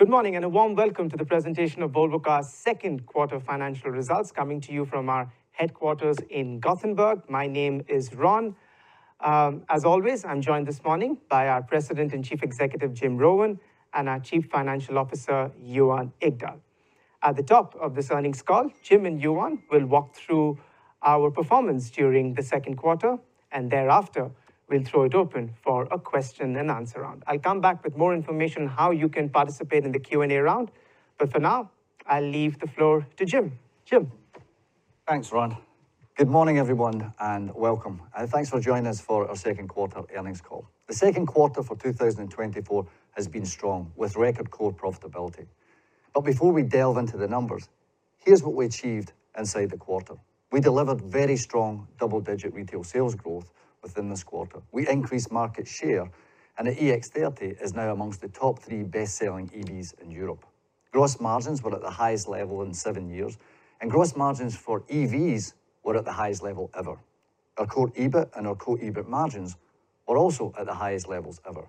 Good morning, and a warm welcome to the presentation of Volvo Cars' second quarter financial results, coming to you from our headquarters in Gothenburg. My name is Ron. As always, I'm joined this morning by our President and Chief Executive, Jim Rowan, and our Chief Financial Officer, Johan Ekdahl. At the top of this earnings call, Jim and Johan will walk through our performance during the second quarter, and thereafter, we'll throw it open for a question and answer round. I'll come back with more information on how you can participate in the Q&A round, but for now, I'll leave the floor to Jim. Jim? Thanks, Ron. Good morning, everyone, and welcome. Thanks for joining us for our second quarter earnings call. The second quarter for 2024 has been strong, with record core profitability. But before we delve into the numbers, here's what we achieved inside the quarter. We delivered very strong double-digit retail sales growth within this quarter. We increased market share, and the EX30 is now amongst the top three best-selling EVs in Europe. Gross margins were at the highest level in seven years, and gross margins for EVs were at the highest level ever. Our core EBIT and our core EBIT margins were also at the highest levels ever,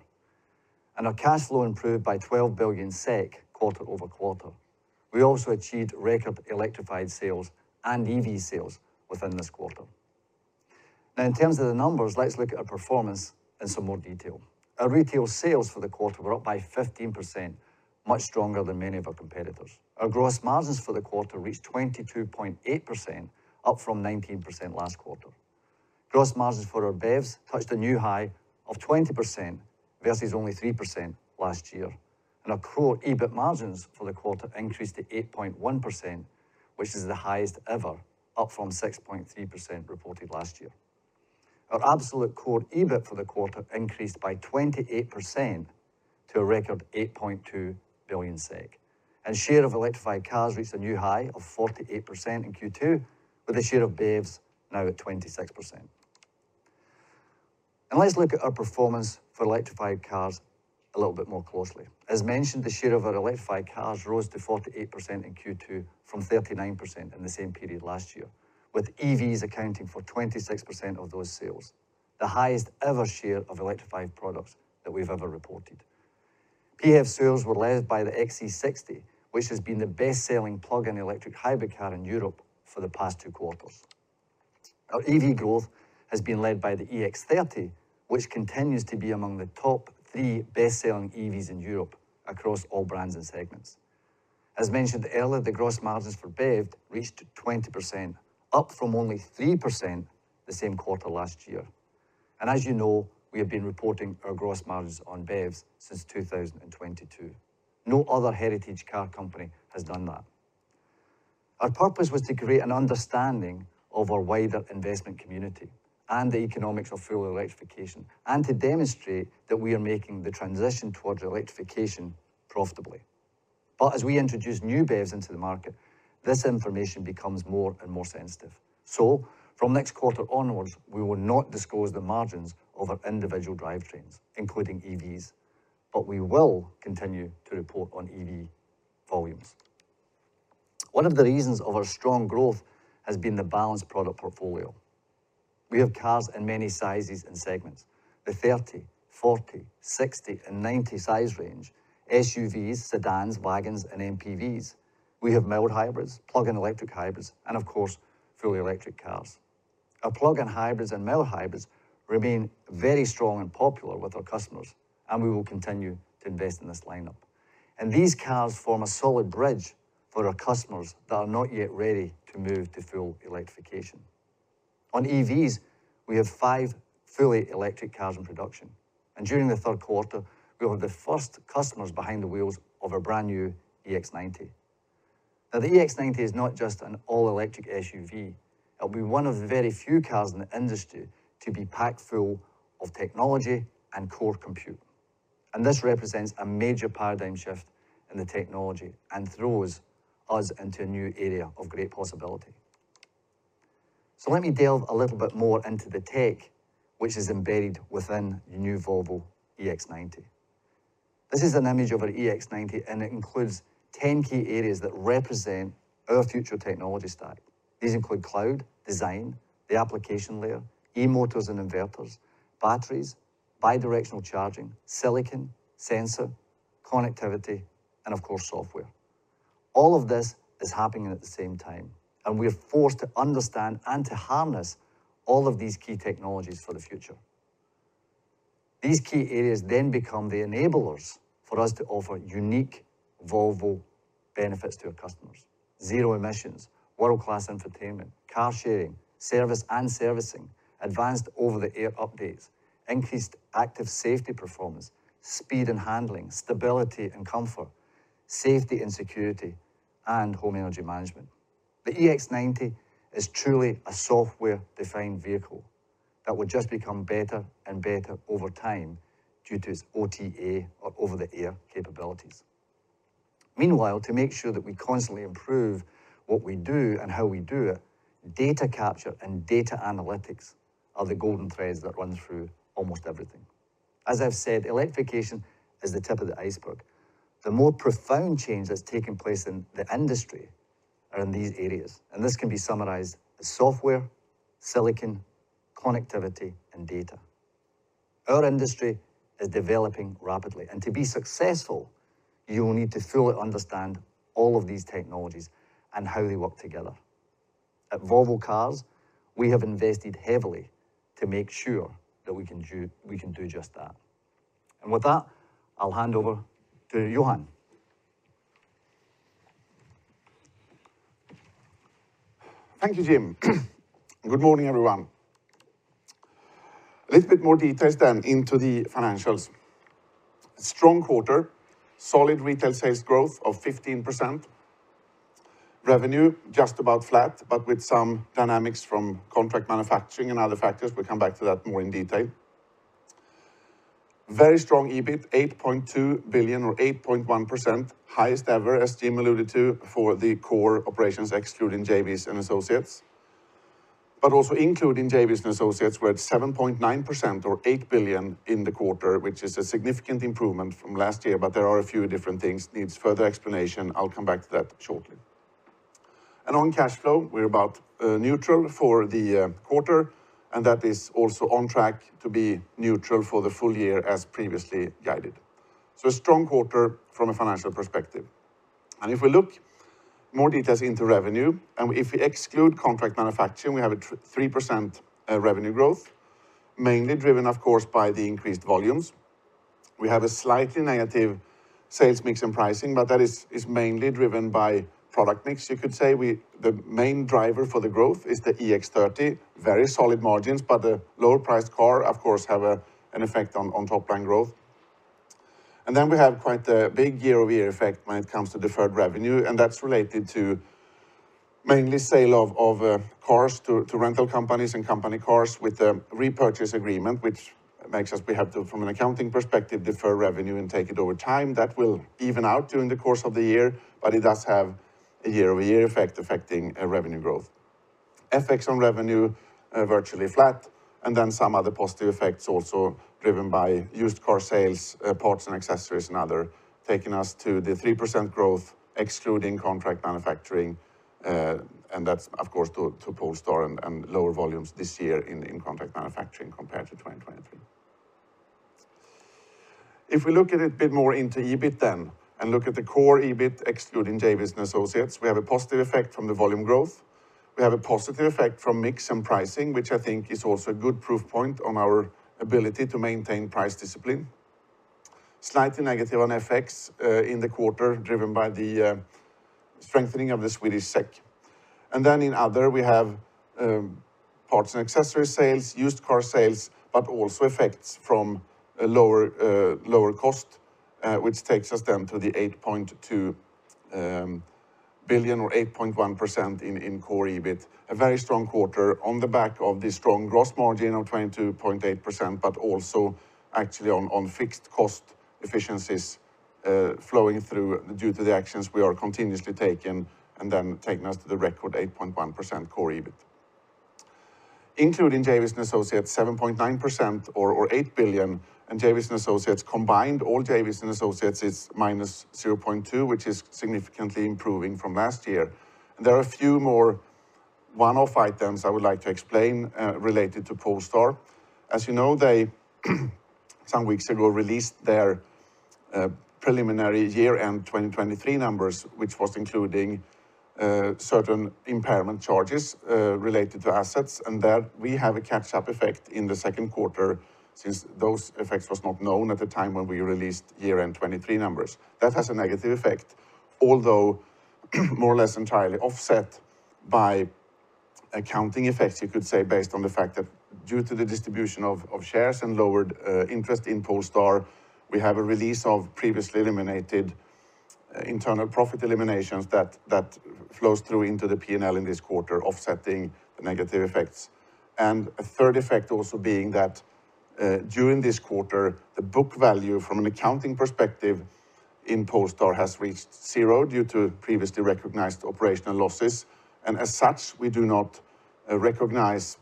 and our cash flow improved by 12 billion SEK quarter-over-quarter. We also achieved record electrified sales and EV sales within this quarter. Now, in terms of the numbers, let's look at our performance in some more detail. Our retail sales for the quarter were up by 15%, much stronger than many of our competitors. Our gross margins for the quarter reached 22.8%, up from 19% last quarter. Gross margins for our BEVs touched a new high of 20%, versus only 3% last year. And our core EBIT margins for the quarter increased to 8.1%, which is the highest ever, up from 6.3% reported last year. Our absolute core EBIT for the quarter increased by 28% to a record 8.2 billion SEK, and share of electrified cars reached a new high of 48% in Q2, with the share of BEVs now at 26%. And let's look at our performance for electrified cars a little bit more closely. As mentioned, the share of our electrified cars rose to 48% in Q2 from 39% in the same period last year, with EVs accounting for 26% of those sales, the highest ever share of electrified products that we've ever reported. PHEV sales were led by the XC60, which has been the best-selling plug-in electric hybrid car in Europe for the past two quarters. Our EV growth has been led by the EX30, which continues to be among the top three best-selling EVs in Europe across all brands and segments. As mentioned earlier, the gross margins for BEV reached 20%, up from only 3% the same quarter last year. As you know, we have been reporting our gross margins on BEVs since 2022. No other heritage car company has done that. Our purpose was to create an understanding of our wider investment community and the economics of full electrification, and to demonstrate that we are making the transition towards electrification profitably. But as we introduce new BEVs into the market, this information becomes more and more sensitive. So from next quarter onwards, we will not disclose the margins of our individual drivetrains, including EVs, but we will continue to report on EV volumes. One of the reasons of our strong growth has been the balanced product portfolio. We have cars in many sizes and segments. The 30, 40, 60, and 90 size range, SUVs, sedans, wagons, and MPVs. We have mild hybrids, plug-in electric hybrids, and of course, fully electric cars. Our plug-in hybrids and mild hybrids remain very strong and popular with our customers, and we will continue to invest in this lineup. These cars form a solid bridge for our customers that are not yet ready to move to full electrification. On EVs, we have five fully electric cars in production, and during the third quarter, we will have the first customers behind the wheels of our brand-new EX90. Now, the EX90 is not just an all-electric SUV, it'll be one of the very few cars in the industry to be packed full of technology and core compute. And this represents a major paradigm shift in the technology and throws us into a new area of great possibility. So let me delve a little bit more into the tech, which is embedded within the new Volvo EX90. This is an image of an EX90, and it includes 10 key areas that represent our future technology stack. These include cloud, design, the application layer, e-motors and inverters, batteries, bi-directional charging, silicon, sensor, connectivity, and of course, software. All of this is happening at the same time, and we are forced to understand and to harness all of these key technologies for the future. These key areas then become the enablers for us to offer unique Volvo benefits to our customers. Zero emissions, world-class entertainment, car sharing, service and servicing, advanced over-the-air updates, increased active safety performance, speed and handling, stability and comfort, safety and security, and home energy management. The EX90 is truly a software-defined vehicle that will just become better and better over time due to its OTA or over-the-air capabilities. Meanwhile, to make sure that we constantly improve what we do and how we do it, data capture and data analytics are the golden threads that run through almost everything. As I've said, electrification is the tip of the iceberg. The more profound change that's taking place in the industry are in these areas, and this can be summarized as software, silicon, connectivity, and data. Our industry is developing rapidly, and to be successful, you will need to fully understand all of these technologies and how they work together. At Volvo Cars, we have invested heavily to make sure that we can do, we can do just that. With that, I'll hand over to Johan. Thank you, Jim. Good morning, everyone. A little bit more details then into the financials. Strong quarter, solid retail sales growth of 15%. Revenue, just about flat, but with some dynamics from contract manufacturing and other factors. We'll come back to that more in detail. Very strong EBIT, 8.2 billion or 8.1%, highest ever, as Jim alluded to, for the core operations, excluding JVs and associates. But also including JVs and associates, we're at 7.9% or 8 billion in the quarter, which is a significant improvement from last year, but there are a few different things, needs further explanation. I'll come back to that shortly. And on cash flow, we're about neutral for the quarter, and that is also on track to be neutral for the full year as previously guided. So a strong quarter from a financial perspective. And if we look more details into revenue, and if we exclude contract manufacturing, we have a 3% revenue growth, mainly driven, of course, by the increased volumes. We have a slightly negative sales mix and pricing, but that is mainly driven by product mix. You could say the main driver for the growth is the EX30. Very solid margins, but the lower-priced car, of course, have an effect on top line growth. And then we have quite a big year-over-year effect when it comes to deferred revenue, and that's related to mainly sale of cars to rental companies and company cars with a repurchase agreement, which makes us we have to, from an accounting perspective, defer revenue and take it over time. That will even out during the course of the year, but it does have a year-over-year effect affecting revenue growth. FX on revenue virtually flat, and then some other positive effects also driven by used car sales, parts and accessories and other, taking us to the 3% growth, excluding contract manufacturing. And that's, of course, to Polestar and lower volumes this year in contract manufacturing compared to 2023. If we look at it a bit more into EBIT then, and look at the core EBIT, excluding JVs and associates, we have a positive effect from the volume growth. We have a positive effect from mix and pricing, which I think is also a good proof point on our ability to maintain price discipline. Slightly negative on effects in the quarter, driven by the strengthening of the Swedish SEK. And then in other, we have parts and accessory sales, used car sales, but also effects from a lower cost, which takes us down to 8.2 billion or 8.1% in core EBIT. A very strong quarter on the back of the strong gross margin of 22.8%, but also actually on fixed cost efficiencies flowing through due to the actions we are continuously taking, and then taking us to the record 8.1% core EBIT. Including JVs and associates, 7.9% or 8 billion, and JVs and associates combined, all JVs and associates, is -0.2, which is significantly improving from last year. And there are a few more one-off items I would like to explain related to Polestar. As you know, they, some weeks ago, released their, preliminary year-end 2023 numbers, which was including, certain impairment charges, related to assets, and there we have a catch-up effect in the second quarter since those effects was not known at the time when we released year-end 2023 numbers. That has a negative effect, although, more or less entirely offset by accounting effects, you could say, based on the fact that due to the distribution of, of shares and lowered, interest in Polestar, we have a release of previously eliminated internal profit eliminations that, that flows through into the P&L in this quarter, offsetting the negative effects. And a third effect also being that, during this quarter, the book value, from an accounting perspective in Polestar, has reached 0 due to previously recognized operational losses, and as such, we do not recognize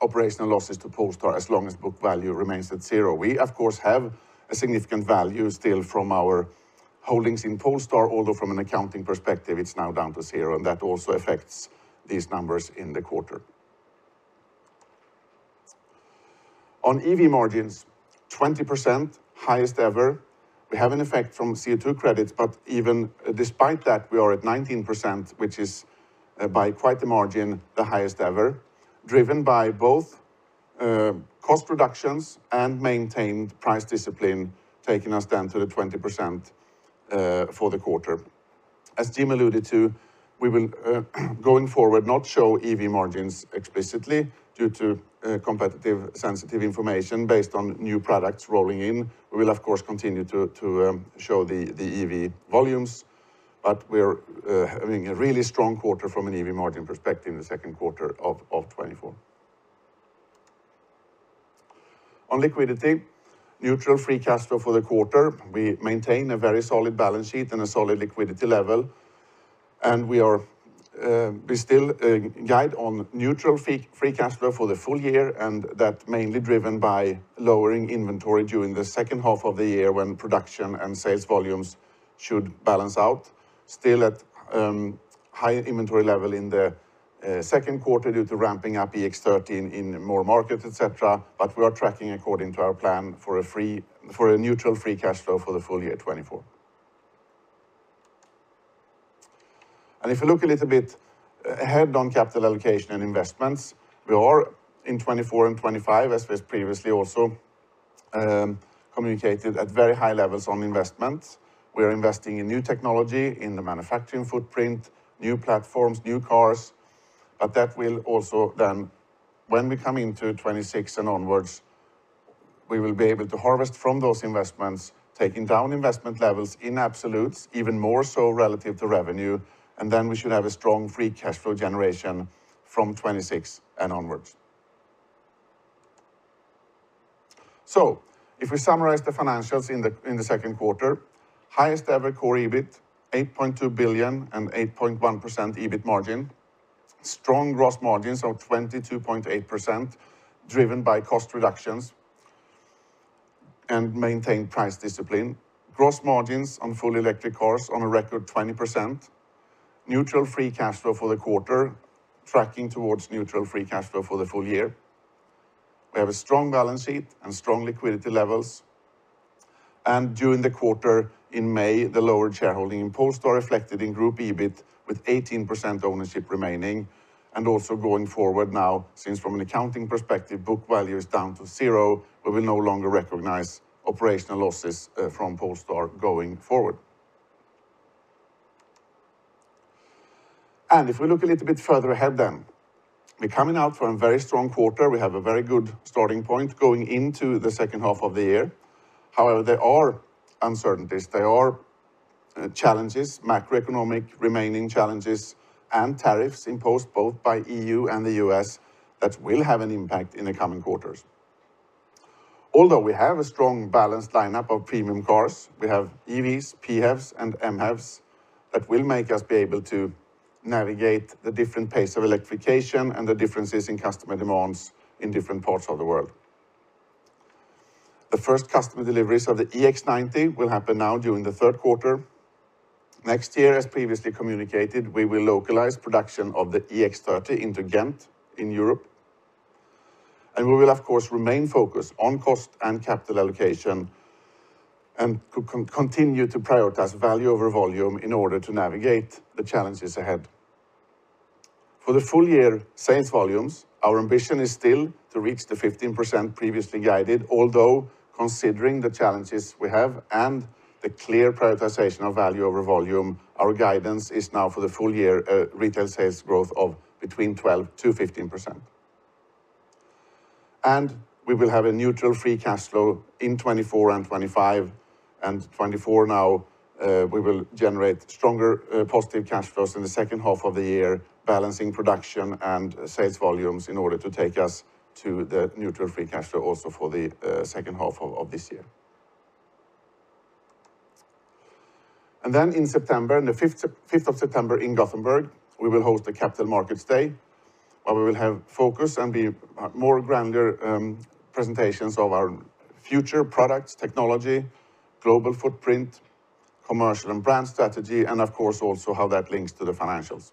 operational losses to Polestar as long as book value remains at 0. We, of course, have a significant value still from our holdings in Polestar, although from an accounting perspective, it's now down to 0, and that also affects these numbers in the quarter. On EV margins, 20%, highest ever. We have an effect from CO2 credits, but even despite that, we are at 19%, which is, by quite a margin, the highest ever, driven by both, cost reductions and maintained price discipline, taking us down to the 20%, for the quarter. As Jim alluded to, we will, going forward, not show EV margins explicitly due to, competitive sensitive information based on new products rolling in. We will, of course, continue to show the EV volumes, but we're having a really strong quarter from an EV margin perspective in the second quarter of 2024. On liquidity, neutral free cash flow for the quarter. We maintain a very solid balance sheet and a solid liquidity level, and we are, we still guide on neutral free cash flow for the full year, and that mainly driven by lowering inventory during the second half of the year when production and sales volumes should balance out. Still at high inventory level in the second quarter due to ramping up EX30 in more markets, et cetera, but we are tracking according to our plan for a free- for a neutral free cash flow for the full year 2024. And if you look a little bit ahead on capital allocation and investments, we are in 2024 and 2025, as we've previously also communicated, at very high levels on investments. We are investing in new technology, in the manufacturing footprint, new platforms, new cars, but that will also then, when we come into 2026 and onwards, we will be able to harvest from those investments, taking down investment levels in absolutes, even more so relative to revenue, and then we should have a strong free cash flow generation from 2026 and onwards. So if we summarize the financials in the second quarter, highest ever core EBIT, 8.2 billion and 8.1% EBIT margin. Strong gross margins of 22.8%, driven by cost reductions and maintained price discipline. Gross margins on full electric cars on a record 20%. Neutral free cash flow for the quarter, tracking towards neutral free cash flow for the full year. We have a strong balance sheet and strong liquidity levels. And during the quarter, in May, the lower shareholding in Polestar reflected in group EBIT, with 18% ownership remaining, and also going forward now, since from an accounting perspective, book value is down to zero, but we no longer recognize operational losses from Polestar going forward. And if we look a little bit further ahead then, we're coming out from a very strong quarter. We have a very good starting point going into the second half of the year. However, there are uncertainties, there are challenges, macroeconomic remaining challenges, and tariffs imposed both by the E.U. and the U.S., that will have an impact in the coming quarters. Although we have a strong balanced lineup of premium cars, we have EVs, PHEVs, and MHEVs, that will make us be able to navigate the different pace of electrification and the differences in customer demands in different parts of the world. The first customer deliveries of the EX90 will happen now during the third quarter. Next year, as previously communicated, we will localize production of the EX30 into Ghent in Europe, and we will, of course, remain focused on cost and capital allocation, and continue to prioritize value over volume in order to navigate the challenges ahead. For the full-year sales volumes, our ambition is still to reach the 15% previously guided, although considering the challenges we have and the clear prioritization of value over volume, our guidance is now for the full year retail sales growth of between 12%-15%. And we will have a neutral free cash flow in 2024 and 2025. And 2024 now, we will generate stronger positive cash flows in the second half of the year, balancing production and sales volumes in order to take us to the neutral free cash flow also for the second half of this year. And then in September, on the 5th of September in Gothenburg, we will host a Capital Markets Day, where we will have focus and be more grander presentations of our future products, technology, global footprint, commercial and brand strategy, and of course, also how that links to the financials.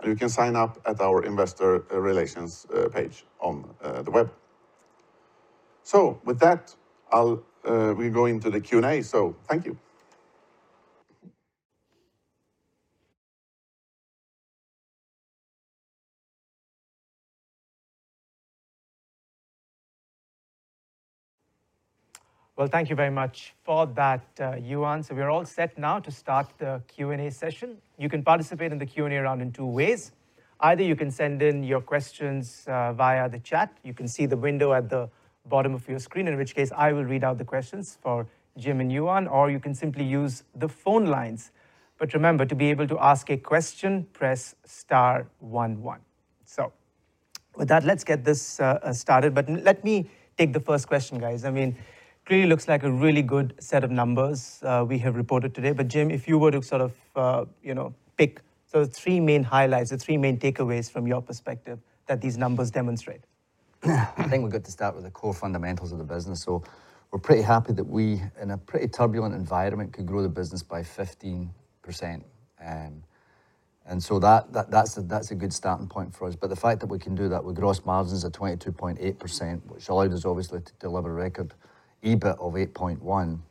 And you can sign up at our investor relations page on the web. So with that, I'll, we go into the Q&A. So thank you. Well, thank you very much for that, Johan. So we are all set now to start the Q&A session. You can participate in the Q&A round in two ways. Either you can send in your questions via the chat. You can see the window at the bottom of your screen, in which case I will read out the questions for Jim and Johan, or you can simply use the phone lines. But remember, to be able to ask a question, press star one, one. So with that, let's get this started. But let me take the first question, guys. I mean, clearly looks like a really good set of numbers we have reported today. But Jim, if you were to sort of, you know, pick the three main highlights, the three main takeaways from your perspective, that these numbers demonstrate. I think we've got to start with the core fundamentals of the business. So we're pretty happy that we, in a pretty turbulent environment, could grow the business by 15%. And so that's a good starting point for us. But the fact that we can do that with gross margins at 22.8%, which allowed us, obviously, to deliver a record EBIT of 8.1 billion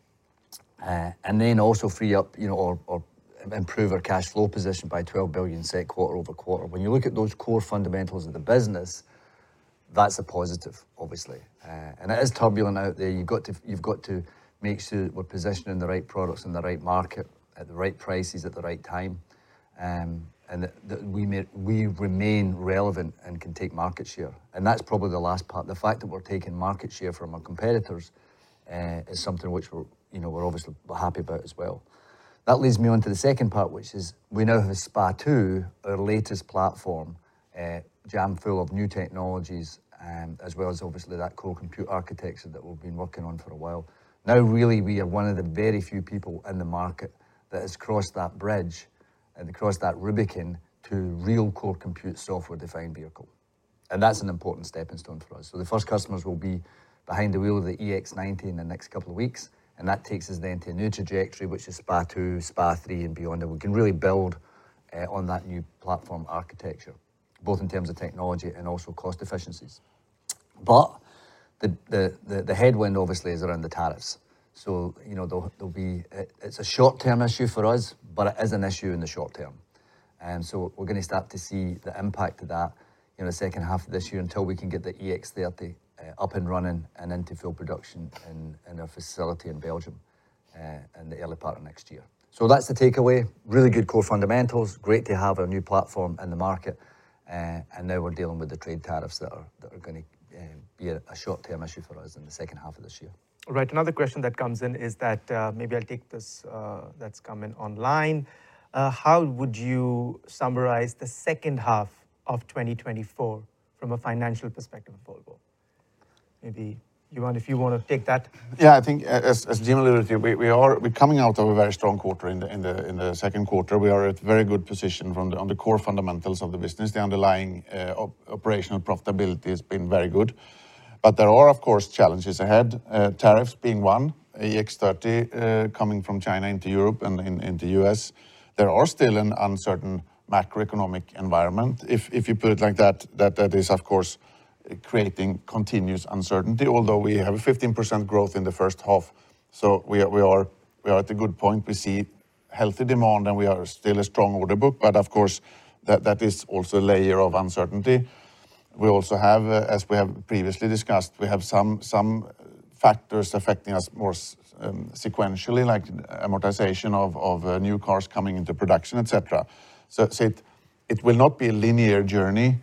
and then also free up, you know, or improve our cash flow position by 12 billion quarter-over-quarter. When you look at those core fundamentals of the business, that's a positive, obviously. And it is turbulent out there. You've got to, you've got to make sure that we're positioning the right products in the right market, at the right prices, at the right time, and that we remain relevant and can take market share. That's probably the last part. The fact that we're taking market share from our competitors is something which we're, you know, obviously happy about as well. That leads me on to the second part, which is we now have SPA2, our latest platform, jam-full of new technologies, as well as obviously that core compute architecture that we've been working on for a while. Now, really, we are one of the very few people in the market that has crossed that bridge and crossed that Rubicon to real core compute, software-defined vehicle. And that's an important stepping stone for us. So the first customers will be behind the wheel of the EX90 in the next couple of weeks, and that takes us then to a new trajectory, which is SPA2, SPA3, and beyond, and we can really build on that new platform architecture, both in terms of technology and also cost efficiencies. But the, the, the headwind, obviously, is around the tariffs. So, you know, there'll, there'll be, it's a short-term issue for us, but it is an issue in the short term. And so we're going to start to see the impact of that in the second half of this year until we can get the EX30 up and running and into full production in our facility in Belgium in the early part of next year. So that's the takeaway. Really good core fundamentals, great to have our new platform in the market, and now we're dealing with the trade tariffs that are gonna be a short-term issue for us in the second half of this year. All right. Another question that comes in is that, maybe I'll take this, that's come in online: How would you summarize the second half of 2024 from a financial perspective of Volvo? Maybe, Johan, if you want to take that. Yeah, I think as Jim alluded to, we're coming out of a very strong second quarter. We are at a very good position on the core fundamentals of the business. The underlying operational profitability has been very good, but there are, of course, challenges ahead, tariffs being one, EX30 coming from China into Europe and in the U.S. There is still an uncertain macroeconomic environment. If you put it like that, that is, of course, creating continuous uncertainty, although we have 15% growth in the first half. So we are at a good point. We see healthy demand, and we still have a strong order book, but of course, that is also a layer of uncertainty. We also have, as we have previously discussed, we have some factors affecting us more sequentially, like amortization of new cars coming into production, et cetera. So it will not be a linear journey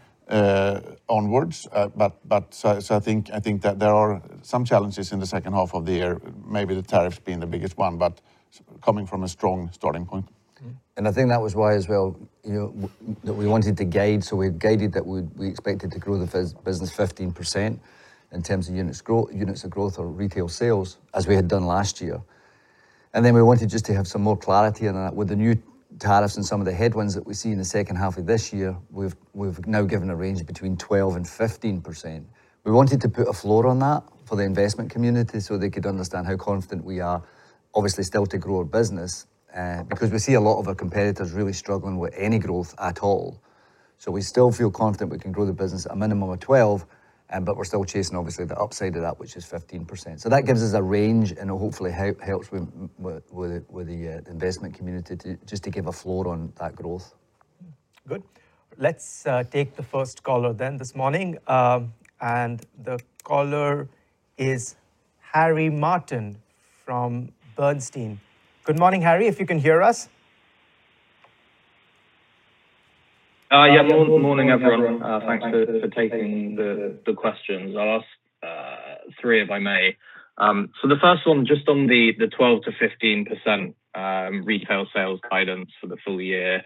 onwards, but I think that there are some challenges in the second half of the year, maybe the tariffs being the biggest one, but coming from a strong starting point. Mm-hmm. I think that was why as well, you know, that we wanted to guide, so we guided that we expected to grow the business 15% in terms of units of growth or retail sales, as we had done last year. Then we wanted just to have some more clarity on that. With the new tariffs and some of the headwinds that we see in the second half of this year, we've now given a range of between 12% and 15%. We wanted to put a floor on that for the investment community so they could understand how confident we are, obviously, still to grow our business, because we see a lot of our competitors really struggling with any growth at all. So we still feel confident we can grow the business at a minimum of 12%, but we're still chasing, obviously, the upside of that, which is 15%. So that gives us a range and hopefully helps with the investment community to just give a floor on that growth. Good. Let's take the first caller then this morning, and the caller is Harry Martin from Bernstein. Good morning, Harry, if you can hear us. Yeah. Good morning, everyone. Thanks for taking the questions. I'll ask three, if I may. So the first one, just on the 12%-15% retail sales guidance for the full year.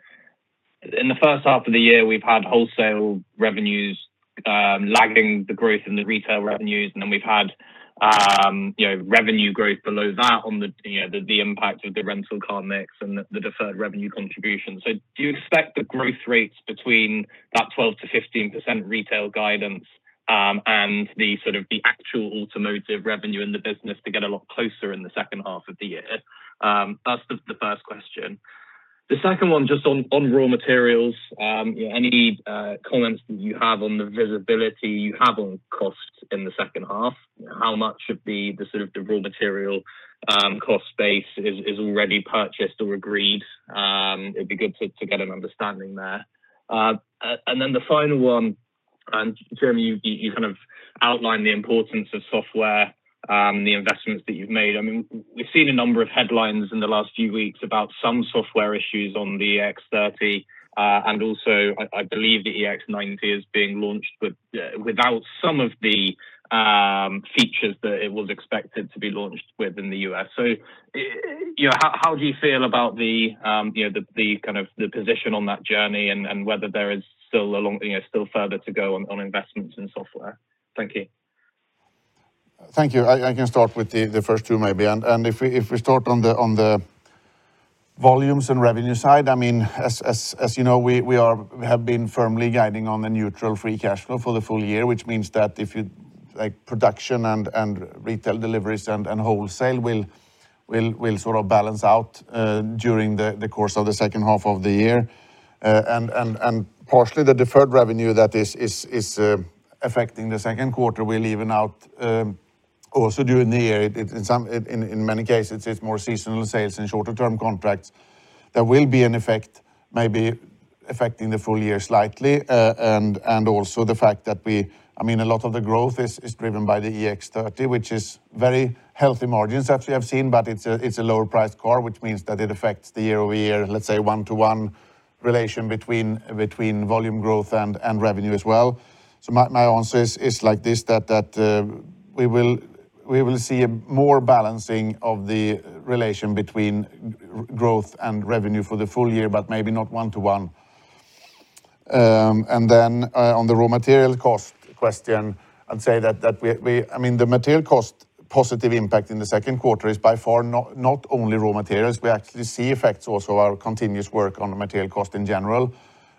In the first half of the year, we've had wholesale revenues lagging the growth in the retail revenues, and then we've had you know, revenue growth below that on the you know, the impact of the rental car mix and the deferred revenue contribution. So do you expect the growth rates between that 12%-15% retail guidance and the sort of actual automotive revenue in the business to get a lot closer in the second half of the year? That's the first question. The second one, just on, on raw materials, any comments that you have on the visibility you have on costs in the second half? How much of the, the sort of the raw material, cost base is, is already purchased or agreed? It'd be good to, to get an understanding there. And then the final one, and Jim, you, you, you kind of outlined the importance of software, the investments that you've made. I mean, we've seen a number of headlines in the last few weeks about some software issues on the EX30, and also, I, I believe the EX90 is being launched with- without some of the, features that it was expected to be launched with in the U.S. So, you know, how do you feel about the, you know, the kind of position on that journey and whether there is still you know, still further to go on investments in software? Thank you. Thank you. I can start with the first two maybe. And if we start on the volumes and revenue side, I mean, as you know, we have been firmly guiding on the neutral free cash flow for the full year, which means that if you like, production and retail deliveries and wholesale will sort of balance out during the course of the second half of the year. And partially, the deferred revenue that is affecting the second quarter will even out also during the year. It in many cases, it's more seasonal sales and shorter-term contracts. There will be an effect, maybe affecting the full year slightly, and also the fact that I mean, a lot of the growth is driven by the EX30, which is very healthy margins that we have seen, but it's a lower priced car, which means that it affects the year-over-year, let's say, one-to-one relation between volume growth and revenue as well. So my answer is like this, that we will see a more balancing of the relation between growth and revenue for the full year, but maybe not one to one. And then, on the raw material cost question, I'd say that I mean, the material cost positive impact in the second quarter is by far not only raw materials. We actually see effects also our continuous work on the material cost in general,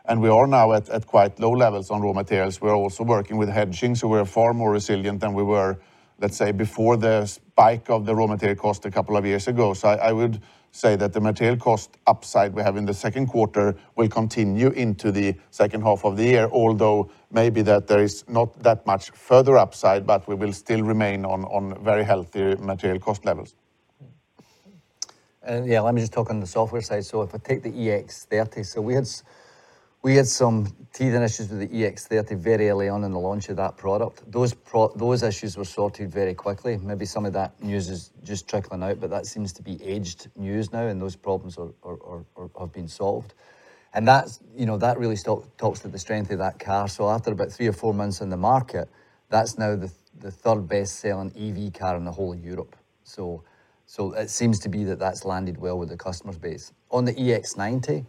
and we are now at quite low levels on raw materials. We're also working with hedging, so we're far more resilient than we were, let's say, before the spike of the raw material cost a couple of years ago. So I would say that the material cost upside we have in the second quarter will continue into the second half of the year, although maybe that there is not that much further upside, but we will still remain on very healthy material cost levels. And yeah, let me just talk on the software side. So if I take the EX90, we had some teething issues with the EX90 very early on in the launch of that product. Those issues were sorted very quickly. Maybe some of that news is just trickling out, but that seems to be aged news now, and those problems have been solved. And that's, you know, that really still talks to the strength of that car. So after about three or four months in the market, that's now the third best-selling EV car in the whole of Europe. So it seems to be that that's landed well with the customer base. On the EX90,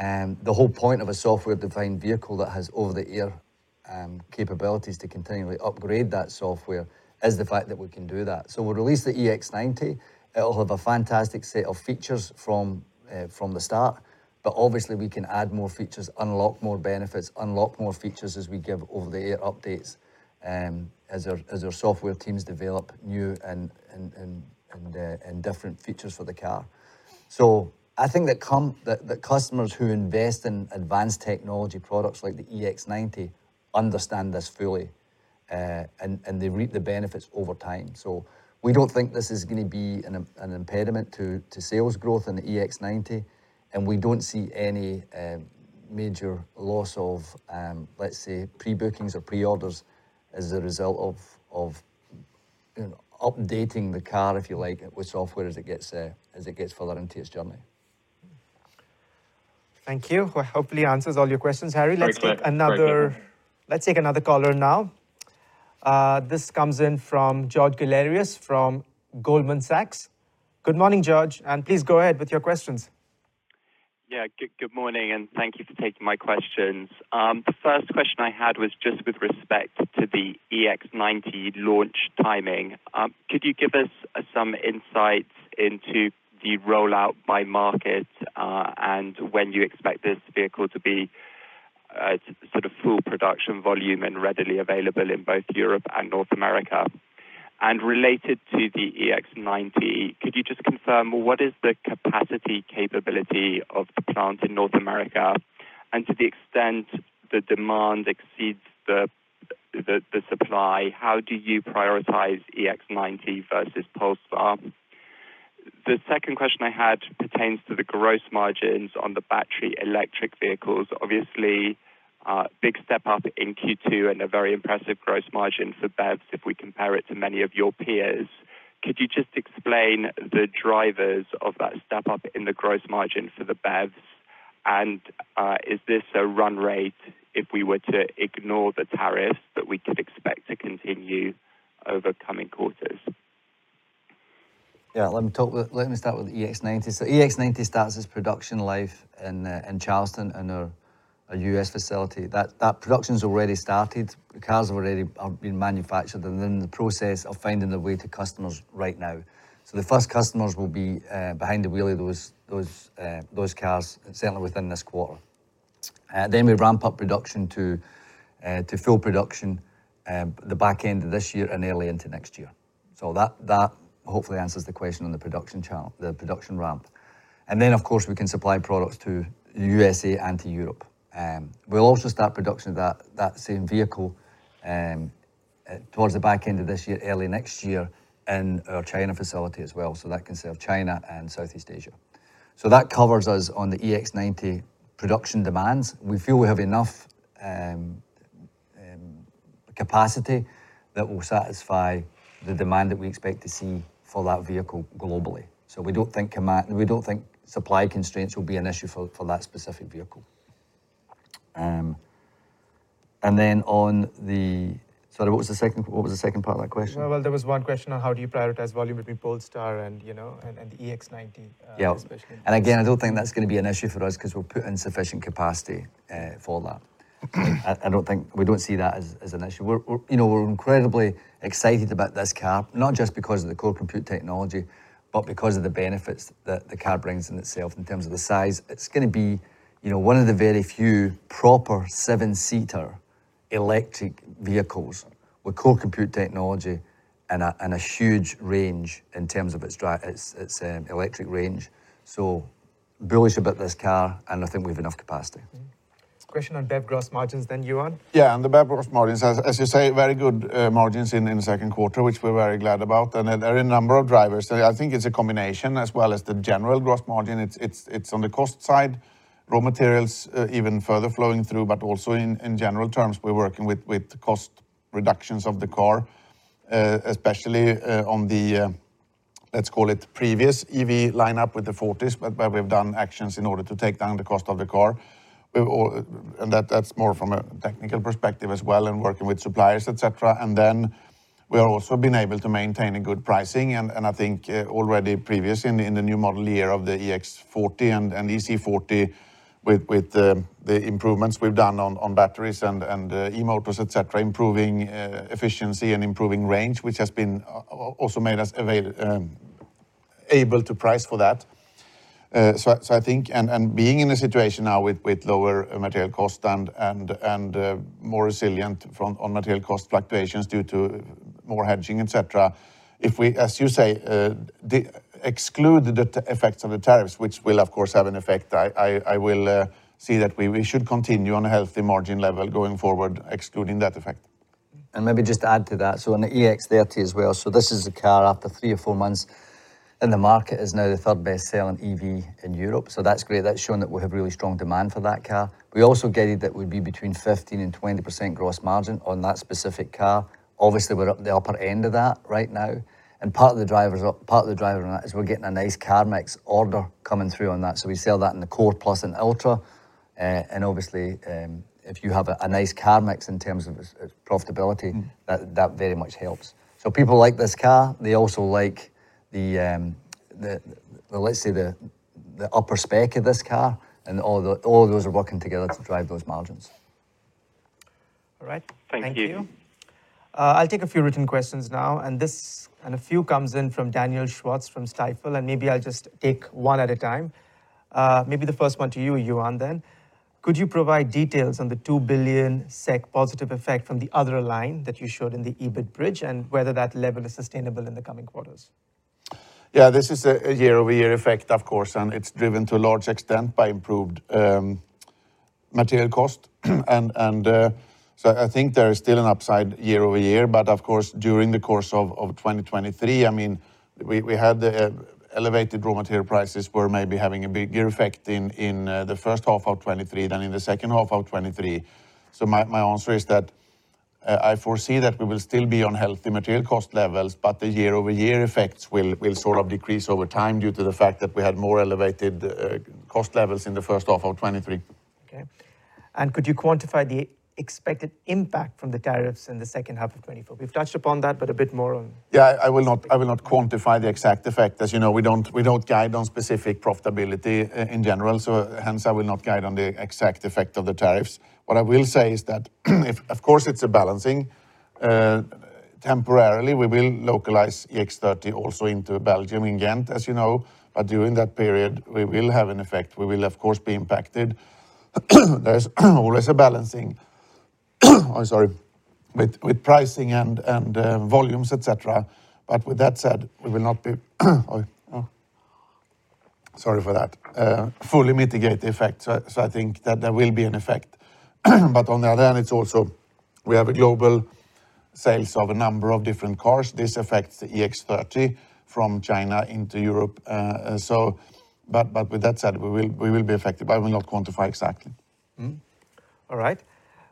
the whole point of a software-defined vehicle that has over-the-air capabilities to continually upgrade that software is the fact that we can do that. So we'll release the EX90. It'll have a fantastic set of features from the start, but obviously, we can add more features, unlock more benefits, unlock more features as we give over-the-air updates, as our software teams develop new and different features for the car. So I think that customers who invest in advanced technology products like the EX90 understand this fully, and they reap the benefits over time. So we don't think this is gonna be an impediment to sales growth in the EX90, and we don't see any major loss of, let's say, pre-bookings or pre-orders as a result of you know, updating the car, if you like, with software as it gets further into its journey. Thank you. Well, hopefully answers all your questions, Harry. Very glad. Very good. Let's take another caller now. This comes in from George Galliers from Goldman Sachs. Good morning, George, and please go ahead with your questions. Yeah, good morning, and thank you for taking my questions. The first question I had was just with respect to the EX90 launch timing. Could you give us some insights into the rollout by market, and when do you expect this vehicle to be sort of full production volume and readily available in both Europe and North America? And related to the EX90, could you just confirm what is the capacity capability of the plant in North America? And to the extent the demand exceeds the supply, how do you prioritize EX90 versus Polestar? The second question I had pertains to the gross margins on the battery electric vehicles. Obviously, a big step-up in Q2 and a very impressive gross margin for BEVs if we compare it to many of your peers. Could you just explain the drivers of that step-up in the gross margin for the BEVs? And, is this a run rate, if we were to ignore the tariffs, that we could expect to continue over coming quarters? Yeah, let me talk with... Let me start with the EX90. So EX90 starts its production life in, in Charleston, in our, our U.S. facility. That, that production's already started. The cars already are being manufactured and they're in the process of finding their way to customers right now. So the first customers will be, behind the wheel of those, those, those cars, certainly within this quarter. Then we ramp up production to, to full production, the back end of this year and early into next year. So that, that hopefully answers the question on the production channel, the production ramp. And then, of course, we can supply products to USA and to Europe. We'll also start production of that same vehicle towards the back end of this year, early next year, in our China facility as well, so that can serve China and Southeast Asia. So that covers us on the EX90 production demands. We feel we have enough capacity that will satisfy the demand that we expect to see for that vehicle globally. So we don't think supply constraints will be an issue for that specific vehicle. And then on the, sorry, what was the second part of that question? Well, well, there was one question on how do you prioritize volume between Polestar and, you know, and the EX90. Yeah... especially- And again, I don't think that's gonna be an issue for us 'cause we've put in sufficient capacity for that. I don't think we don't see that as an issue. We're you know, we're incredibly excited about this car, not just because of the core compute technology, but because of the benefits that the car brings in itself in terms of the size. It's gonna be you know, one of the very few proper seven-seater electric vehicles with core compute technology and a huge range in terms of its electric range. So bullish about this car, and I think we have enough capacity. Mm-hmm. Question on BEV gross margins, then you, Johan. Yeah, on the BEV gross margins, as you say, very good margins in the second quarter, which we're very glad about, and there are a number of drivers. So I think it's a combination as well as the general gross margin. It's on the cost side, raw materials even further flowing through, but also in general terms, we're working with cost reductions of the car, especially on the, let's call it previous EV lineup with the 40s, but we've done actions in order to take down the cost of the car. We've all- and that- that's more from a technical perspective as well and working with suppliers, et cetera. And then we have also been able to maintain a good pricing, and I think already previous in the new model year of the EX40 and EC40, with the improvements we've done on batteries and e-motors, et cetera, improving efficiency and improving range, which has also made us available to price for that. So I think, and being in a situation now with lower material cost and more resilient from on material cost fluctuations due to more hedging, et cetera. If we, as you say, exclude the effects of the tariffs, which will of course have an effect, I will see that we should continue on a healthy margin level going forward, excluding that effect. And maybe just to add to that, so on the EX30 as well. So this is a car after three or four months in the market, is now the third best-selling EV in Europe. So that's great. That's shown that we have really strong demand for that car. We also guided that we'd be between 15% and 20% gross margin on that specific car. Obviously, we're up the upper end of that right now, and part of the driver on that is we're getting a nice car mix order coming through on that. So we sell that in the Core, Plus, and Ultra, and obviously, if you have a nice car mix in terms of its profitability, that very much helps. So people like this car. They also like the, well, let's say, the upper spec of this car, and all those are working together to drive those margins. All right. Thank you. Thank you. I'll take a few written questions now, and a few comes in from Daniel Schwarz, from Stifel, and maybe I'll just take one at a time. Maybe the first one to you, Johan, then. Could you provide details on the 2 billion SEK positive effect from the other line that you showed in the EBIT bridge, and whether that level is sustainable in the coming quarters? Yeah, this is a year-over-year effect, of course, and it's driven to a large extent by improved material cost. So I think there is still an upside year-over-year, but of course, during the course of 2023, I mean, we had the elevated raw material prices were maybe having a bigger effect in the first half of 2023 than in the second half of 2023. So my answer is that I foresee that we will still be on healthy material cost levels, but the year-over-year effects will sort of decrease over time due to the fact that we had more elevated cost levels in the first half of 2023. Okay. Could you quantify the expected impact from the tariffs in the second half of 2024? We've touched upon that, but a bit more on- Yeah, I will not, I will not quantify the exact effect. As you know, we don't, we don't guide on specific profitability in general, so hence, I will not guide on the exact effect of the tariffs. What I will say is that, of course, it's a balancing. Temporarily, we will localize EX30 also into Belgium, in Ghent, as you know, but during that period, we will have an effect. We will, of course, be impacted. There's always a balancing, I'm sorry, with pricing and volumes, et cetera. But with that said, we will not be fully mitigate the effect. So, I think that there will be an effect. But on the other hand, it's also, we have a global sales of a number of different cars. This affects the EX30 from China into Europe, but with that said, we will be affected, but I will not quantify exactly. Mm-hmm. All right.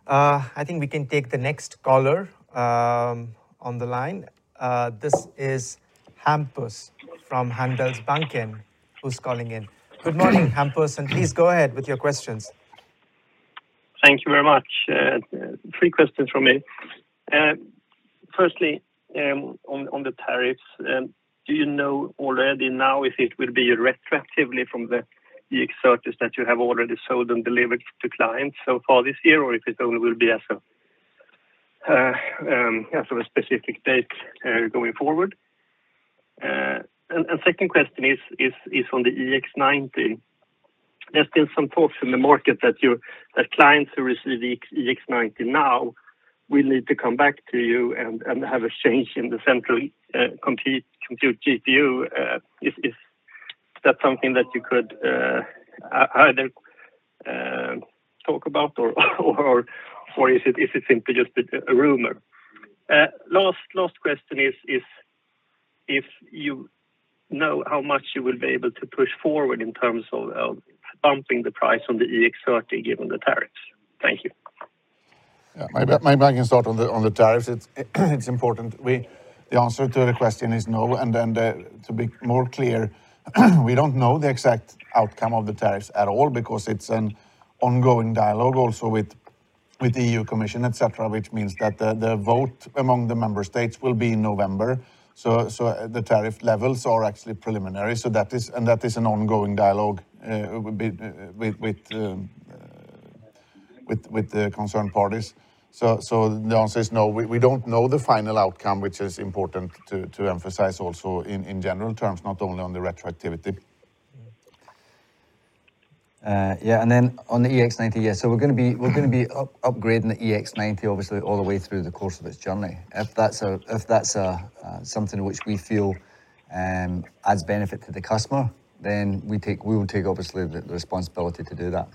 I think we can take the next caller on the line. This is Hampus from Handelsbanken, who's calling in. Good morning, Hampus, and please go ahead with your questions. Thank you very much. Three questions from me. Firstly, on the tariffs, do you know already now if it will be retroactively from the EX30 that you have already sold and delivered to clients so far this year, or if it only will be as of a specific date going forward? And second question is on the EX90. There's still some talks in the market that clients who receive the EX90 now will need to come back to you and have a change in the central compute GPU. Is that something that you could either talk about or is it simply just a rumor? Last question is if you know how much you will be able to push forward in terms of bumping the price on the EX30, given the tariffs? Thank you. Yeah. Maybe I can start on the tariffs. It's important. The answer to the question is no, and then, to be more clear, we don't know the exact outcome of the tariffs at all because it's an ongoing dialogue also with the E.U. Commission, et cetera, which means that the vote among the member states will be in November. So the tariff levels are actually preliminary. So that is an ongoing dialogue with the concerned parties. So the answer is no. We don't know the final outcome, which is important to emphasize also in general terms, not only on the retroactivity. Yeah, and then on the EX90, yeah. So we're gonna be upgrading the EX90, obviously, all the way through the course of its journey. If that's a something which we feel adds benefit to the customer, then we will take, obviously, the responsibility to do that.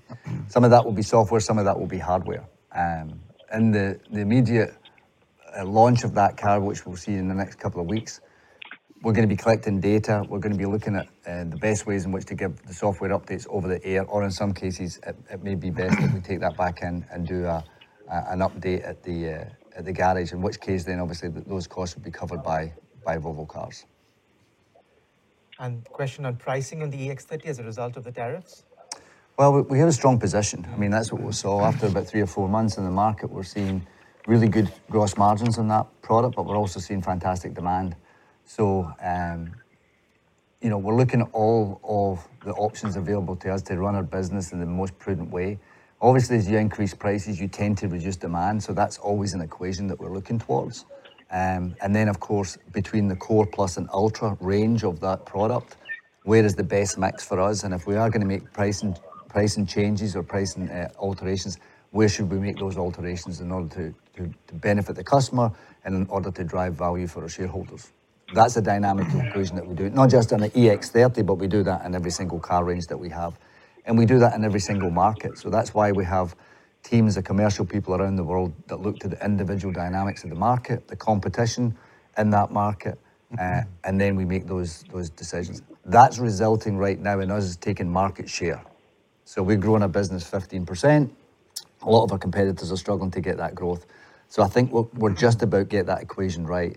Some of that will be software, some of that will be hardware. And the immediate launch of that car, which we'll see in the next couple of weeks, we're gonna be collecting data, we're gonna be looking at the best ways in which to give the software updates over the air, or in some cases, it may be best if we take that back in and do an update at the garage, in which case then obviously those costs will be covered by Volvo Cars.... question on pricing on the EX30 as a result of the tariffs? Well, we have a strong position. I mean, that's what we saw. After about three or four months in the market, we're seeing really good gross margins on that product, but we're also seeing fantastic demand. So, you know, we're looking at all of the options available to us to run our business in the most prudent way. Obviously, as you increase prices, you tend to reduce demand, so that's always an equation that we're looking towards. And then, of course, between the Core, Plus, and Ultra range of that product, where is the best mix for us? And if we are gonna make pricing changes or pricing alterations, where should we make those alterations in order to benefit the customer and in order to drive value for our shareholders? That's a dynamic equation that we do. Not just on the EX30, but we do that in every single car range that we have, and we do that in every single market. So that's why we have teams of commercial people around the world that look to the individual dynamics of the market, the competition in that market, and then we make those, those decisions. That's resulting right now in us taking market share. So we're growing our business 15%. A lot of our competitors are struggling to get that growth. So I think we're just about get that equation right.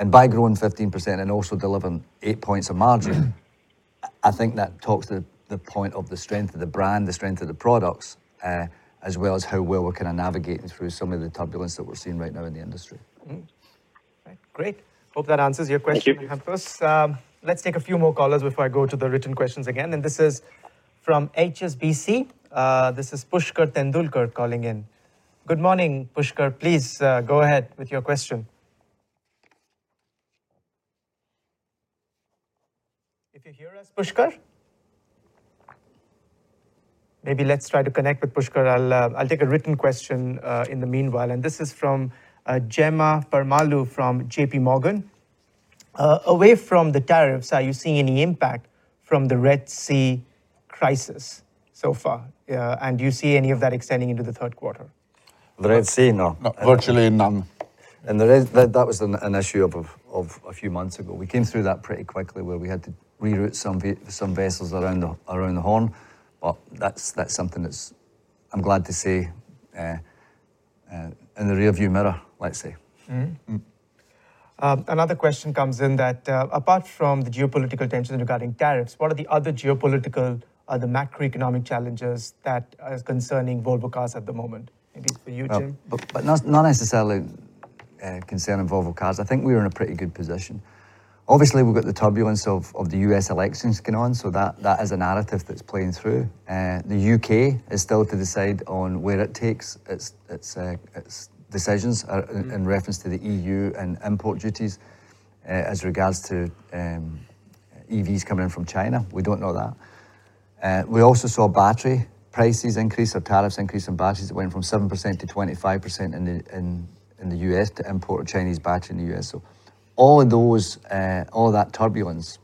And by growing 15% and also delivering eight points of margin, I think that talks to the point of the strength of the brand, the strength of the products, as well as how well we're kinda navigating through some of the turbulence that we're seeing right now in the industry. Mm-hmm. Right. Great. Hope that answers your question, Hampus. Thank you. Let's take a few more callers before I go to the written questions again, and this is from HSBC. This is Pushkar Tendolkar calling in. Good morning, Pushkar. Please go ahead with your question. If you hear us, Pushkar? Maybe let's try to connect with Pushkar. I'll take a written question in the meanwhile, and this is from Jemma Permalloo from JPMorgan. Away from the tariffs, are you seeing any impact from the Red Sea crisis so far? And do you see any of that extending into the third quarter? The Red Sea, no. Virtually none. And the Red Sea. That was an issue of a few months ago. We came through that pretty quickly, where we had to reroute some vessels around the horn, but that's something that's, I'm glad to say, in the rear view mirror, let's say. Mm-hmm. Mm-hmm. Another question comes in that, apart from the geopolitical tensions regarding tariffs, what are the other geopolitical, the macroeconomic challenges that are concerning Volvo Cars at the moment? Maybe it's for you, Jim. Well, but not necessarily concerning Volvo Cars. I think we are in a pretty good position. Obviously, we've got the turbulence of the U.S. elections going on, so that is a narrative that's playing through. The U.K. is still to decide on where it takes its decisions, in reference to the E.U. and import duties, as regards to EVs coming in from China. We don't know that. We also saw battery prices increase or tariffs increase in batteries. It went from 7%-25% in the U.S. to import a Chinese battery in the U.S. So all of those, all that turbulence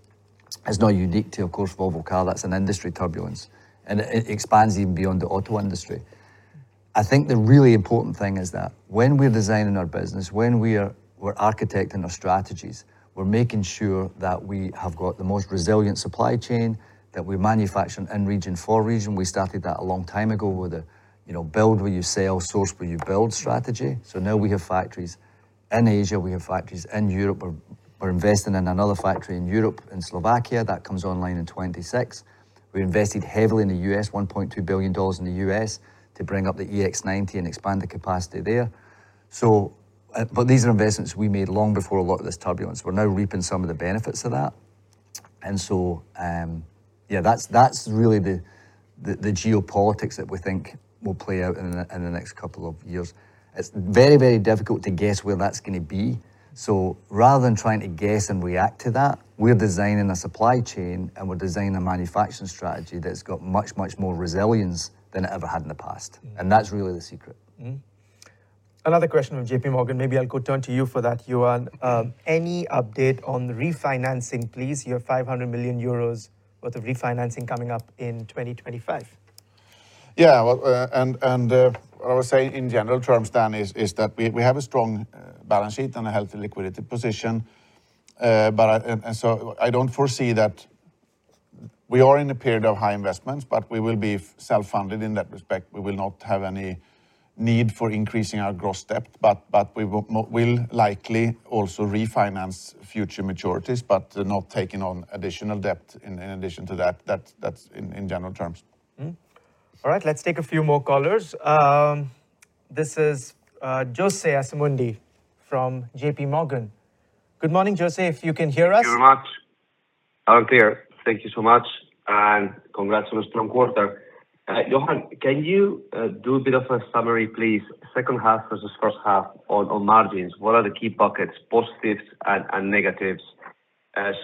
is not unique to, of course, Volvo Cars. That's an industry turbulence, and it expands even beyond the auto industry. I think the really important thing is that when we're designing our business, when we're architecting our strategies, we're making sure that we have got the most resilient supply chain, that we're manufacturing in region for region. We started that a long time ago with a, you know, build where you sell, source where you build strategy. So now we have factories in Asia. We have factories in Europe. We're investing in another factory in Europe, in Slovakia. That comes online in 2026. We invested heavily in the U.S., $1.2 billion in the U.S., to bring up the EX90 and expand the capacity there. So, but these are investments we made long before a lot of this turbulence. We're now reaping some of the benefits of that. And so, yeah, that's really the geopolitics that we think will play out in the next couple of years. It's very, very difficult to guess where that's gonna be. So rather than trying to guess and react to that, we're designing a supply chain, and we're designing a manufacturing strategy that's got much, much more resilience than it ever had in the past. Mm-hmm. That's really the secret. Mm-hmm. Another question from JPMorgan. Maybe I'll go turn to you for that, Johan. Any update on the refinancing, please? You have 500 million euros worth of refinancing coming up in 2025. Yeah, well, what I would say in general terms, Dan, is that we have a strong balance sheet and a healthy liquidity position. But I don't foresee that. We are in a period of high investments, but we will be self-funded in that respect. We will not have any need for increasing our gross debt, but we will likely also refinance future maturities, but not taking on additional debt in addition to that. That's in general terms. Mm-hmm. All right, let's take a few more callers. This is Jose Asumendi from JPMorgan. Good morning, Jose, if you can hear us? Thank you very much. Loud and clear. Thank you so much, and congrats on a strong quarter. Johan, can you do a bit of a summary, please, second half versus first half on margins? What are the key pockets, positives and negatives,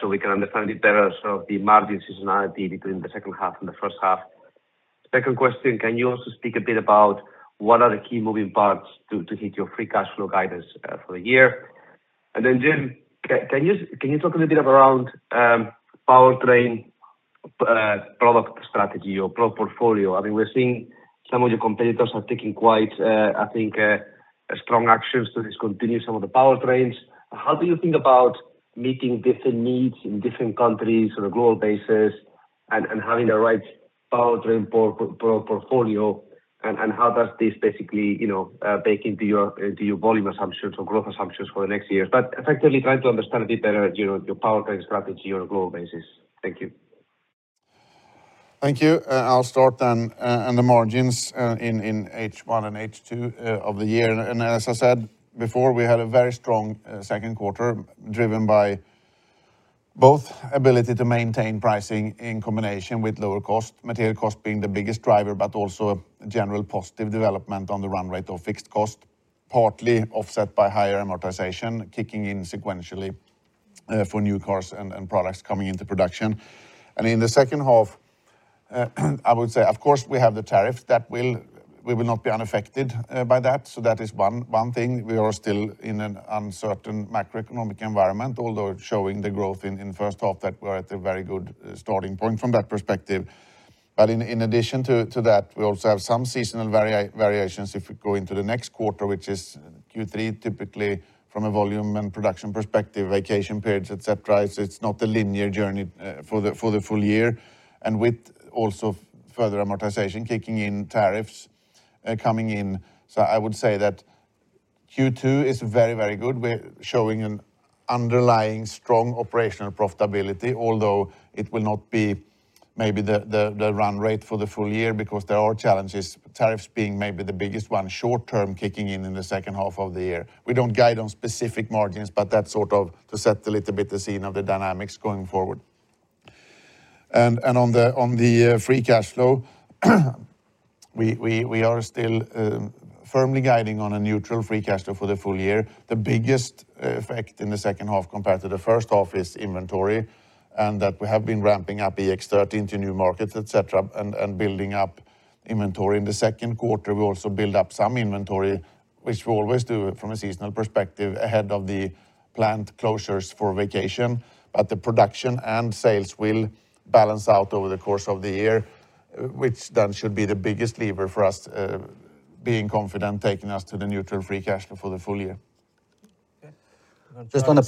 so we can understand a bit better so the margin seasonality between the second half and the first half? Second question, can you also speak a bit about what are the key moving parts to hit your free cash flow guidance for the year? And then, Jim, can you talk a little bit around powertrain, product strategy or product portfolio? I mean, we're seeing some of your competitors are taking quite, I think, strong actions to discontinue some of the powertrains. How do you think about meeting different needs in different countries on a global basis? And having the right powertrain portfolio, and how does this basically, you know, bake into your volume assumptions or growth assumptions for the next years? But effectively, trying to understand a bit better, you know, your powertrain strategy on a global basis. Thank you. Thank you. I'll start then on the margins in H1 and H2 of the year. And as I said before, we had a very strong second quarter, driven by both ability to maintain pricing in combination with lower cost, material cost being the biggest driver, but also general positive development on the run rate of fixed cost, partly offset by higher amortization, kicking in sequentially for new cars and products coming into production. And in the second half, I would say, of course, we have the tariffs that we will not be unaffected by that. So that is one thing. We are still in an uncertain macroeconomic environment, although showing the growth in the first half, that we're at a very good starting point from that perspective. But in addition to that, we also have some seasonal variations. If we go into the next quarter, which is Q3, typically from a volume and production perspective, vacation periods, et cetera. So it's not a linear journey for the full year, and with also further amortization kicking in, tariffs coming in. So I would say that Q2 is very, very good. We're showing an underlying strong operational profitability, although it will not be maybe the run rate for the full year because there are challenges, tariffs being maybe the biggest one, short term, kicking in in the second half of the year. We don't guide on specific margins, but that's sort of to set a little bit the scene of the dynamics going forward. On the free cash flow, we are still firmly guiding on a neutral free cash flow for the full year. The biggest effect in the second half compared to the first half is inventory, and that we have been ramping up EX30 into new markets, et cetera, and building up inventory. In the second quarter, we also build up some inventory, which we always do from a seasonal perspective, ahead of the plant closures for vacation, but the production and sales will balance out over the course of the year, which then should be the biggest lever for us, being confident, taking us to the neutral free cash flow for the full year. Okay. Just on a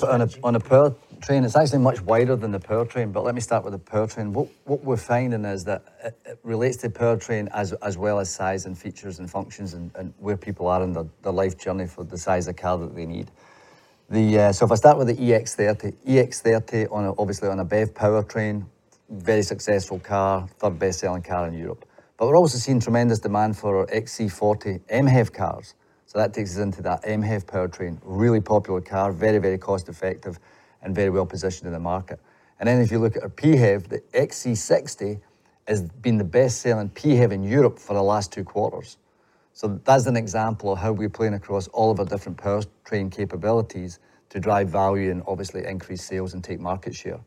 powertrain, it's actually much wider than the powertrain, but let me start with the powertrain. What we're finding is that it relates to powertrain as well as size and features and functions and where people are in the life journey for the size of car that they need. So if I start with the EX30, EX30, obviously, on a BEV powertrain, very successful car, third best-selling car in Europe. But we're also seeing tremendous demand for XC40 MHEV cars. So that takes us into that MHEV powertrain, really popular car, very, very cost-effective, and very well-positioned in the market. And then, if you look at our PHEV, the XC60 has been the best-selling PHEV in Europe for the last two quarters. So that's an example of how we're playing across all of our different powertrain capabilities to drive value and obviously increase sales and take market share.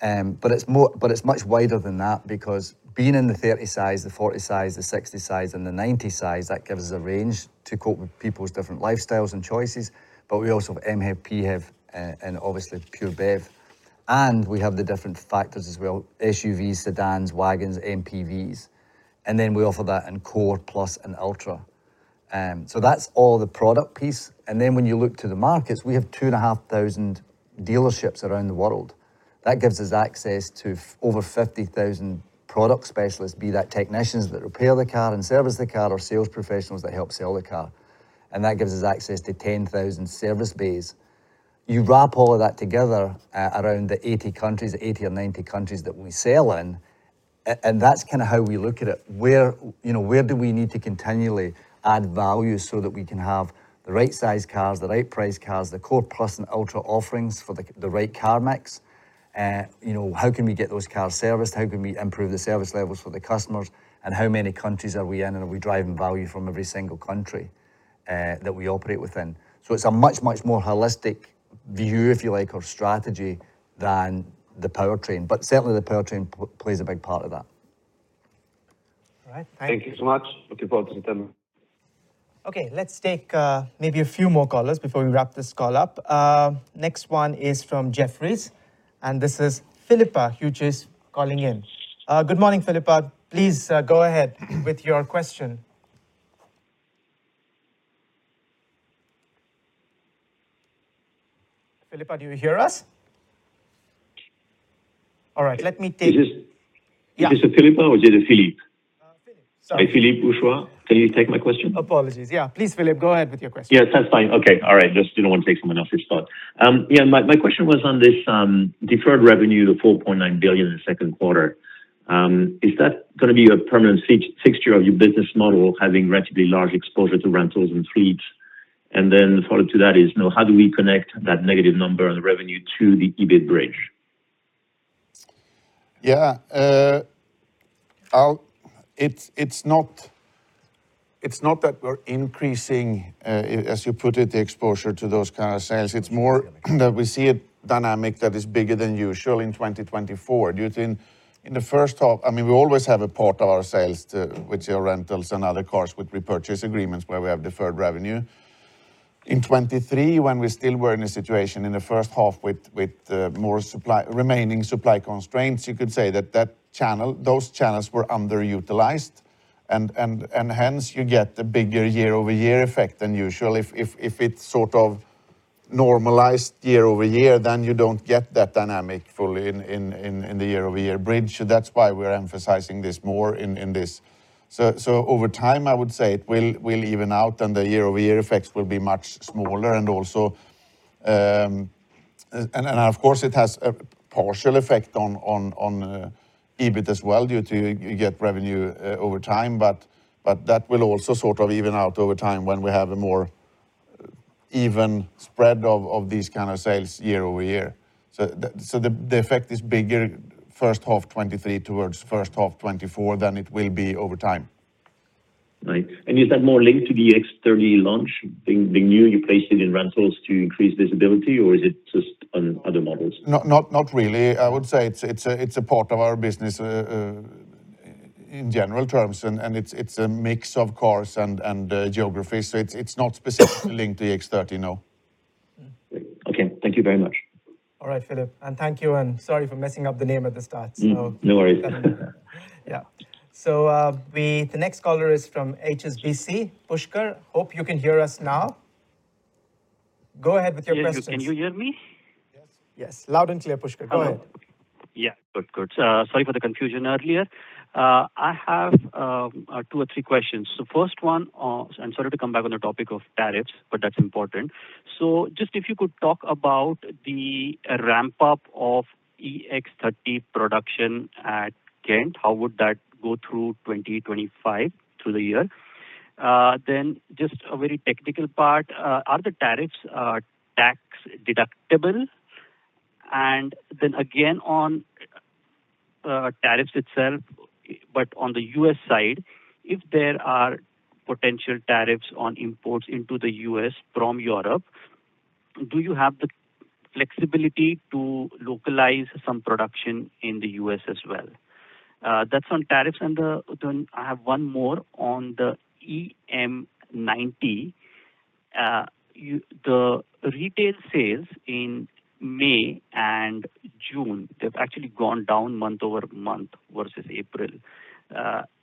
But it's more- but it's much wider than that because being in the 30 size, the 40 size, the 60 size, and the 90 size, that gives us a range to cope with people's different lifestyles and choices, but we also have MHEV, PHEV, and obviously, pure BEV. And we have the different factors as well, SUVs, sedans, wagons, MPVs, and then we offer that in Core, Plus, and Ultra. So that's all the product piece. And then, when you look to the markets, we have 2,500 dealerships around the world. That gives us access to over 50,000 product specialists, be that technicians that repair the car and service the car, or sales professionals that help sell the car. And that gives us access to 10,000 service bays. You wrap all of that together, around the 80 countries, 80 or 90 countries that we sell in, and that's kinda how we look at it. Where, you know, where do we need to continually add value so that we can have the right size cars, the right price cars, the Core, Plus, and Ultra offerings for the, the right car mix? You know, how can we get those cars serviced? How can we improve the service levels for the customers? And how many countries are we in, and are we driving value from every single country, that we operate within? It's a much, much more holistic view, if you like, or strategy, than the powertrain, but certainly, the powertrain plays a big part of that. All right, thank you so much. Looking forward to the return. Okay, let's take, maybe a few more callers before we wrap this call up. Next one is from Jefferies, and this is Philippe Houchois calling in. Good morning, Philippe. Please, go ahead with your question. Philippe, do you hear us? All right, let me take- Is this- Yeah. Is this Philippa or is it Philippe? Philippe, sorry. Hi, Philippe Houchois. Can you take my question? Apologies. Yeah. Please, Philippe, go ahead with your question. Yeah, that's fine. Okay. All right. Just didn't want to take someone else's spot. Yeah, my question was on this deferred revenue, the 4.9 billion in the second quarter. Is that gonna be a permanent fixture of your business model, having relatively large exposure to rentals and fleets? And then the follow to that is, you know, how do we connect that negative number on the revenue to the EBIT bridge? Yeah, I'll—it's not that we're increasing, as you put it, the exposure to those kind of sales. It's more that we see a dynamic that is bigger than usual in 2024. Due to in the first half—I mean, we always have a part of our sales to which are rentals and other cars with repurchase agreements, where we have deferred revenue. In 2023, when we still were in a situation in the first half with more supply, remaining supply constraints, you could say that that channel, those channels were underutilized. And hence, you get a bigger year-over-year effect than usual. If it sort of normalized year-over-year, then you don't get that dynamic fully in the year-over-year bridge. That's why we're emphasizing this more in this. Over time, I would say it will even out, and the year-over-year effects will be much smaller. And also, of course, it has a partial effect on EBIT as well, due to you get revenue over time, but that will also sort of even out over time when we have a more even spread of these kind of sales year-over-year. So the effect is bigger first half 2023 towards first half 2024 than it will be over time. Right. And is that more linked to the EX30 launch, being new, you place it in rentals to increase visibility, or is it just on other models? Not really. I would say it's a part of our business in general terms, and it's a mix of cars and geographies. So it's not specifically linked to EX30, no. Okay. Thank you very much. All right, Philippe, and thank you, and sorry for messing up the name at the start, so- Mm, no worries. Yeah. The next caller is from HSBC. Pushkar, hope you can hear us now. Go ahead with your questions. Yes, can you hear me? Yes. Yes, loud and clear, Pushkar. Go ahead. Yeah, good. Good. Sorry for the confusion earlier. I have two or three questions. So first one, and sorry to come back on the topic of tariffs, but that's important. So just if you could talk about the ramp-up of EX30 production at Ghent, how would that go through 2025 through the year? Then just a very technical part, are the tariffs tax deductible? And then again, on tariffs itself, but on the U.S. side, if there are potential tariffs on imports into the U.S. from Europe, do you have the flexibility to localize some production in the U.S. as well? That's on tariffs. And then I have one more on the EM90. The retail sales in May and June, they've actually gone down month-over-month versus April.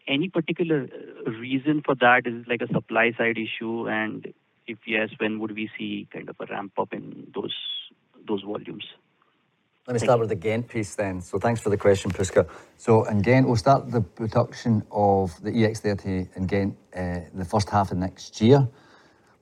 Any particular reason for that? Is it like a supply side issue, and if yes, when would we see kind of a ramp-up in those, those volumes? Let me start with the Ghent piece then. So thanks for the question, Pushkar. So in Ghent, we'll start the production of the EX30 in Ghent, in the first half of next year,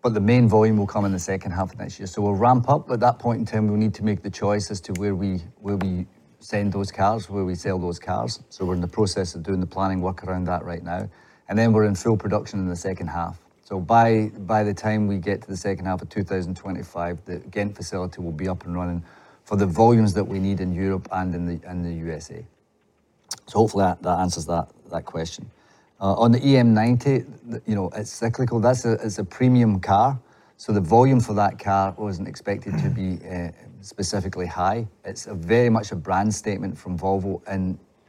but the main volume will come in the second half of next year. So we'll ramp up. At that point in time, we'll need to make the choice as to where we, where we send those cars, where we sell those cars. So we're in the process of doing the planning work around that right now, and then we're in full production in the second half. So by, by the time we get to the second half of 2025, the Ghent facility will be up and running for the volumes that we need in Europe and in the, and the USA. So hopefully that, that answers that, that question. On the EM90, you know, it's cyclical. That's. It's a premium car, so the volume for that car wasn't expected to be specifically high. It's very much a brand statement from Volvo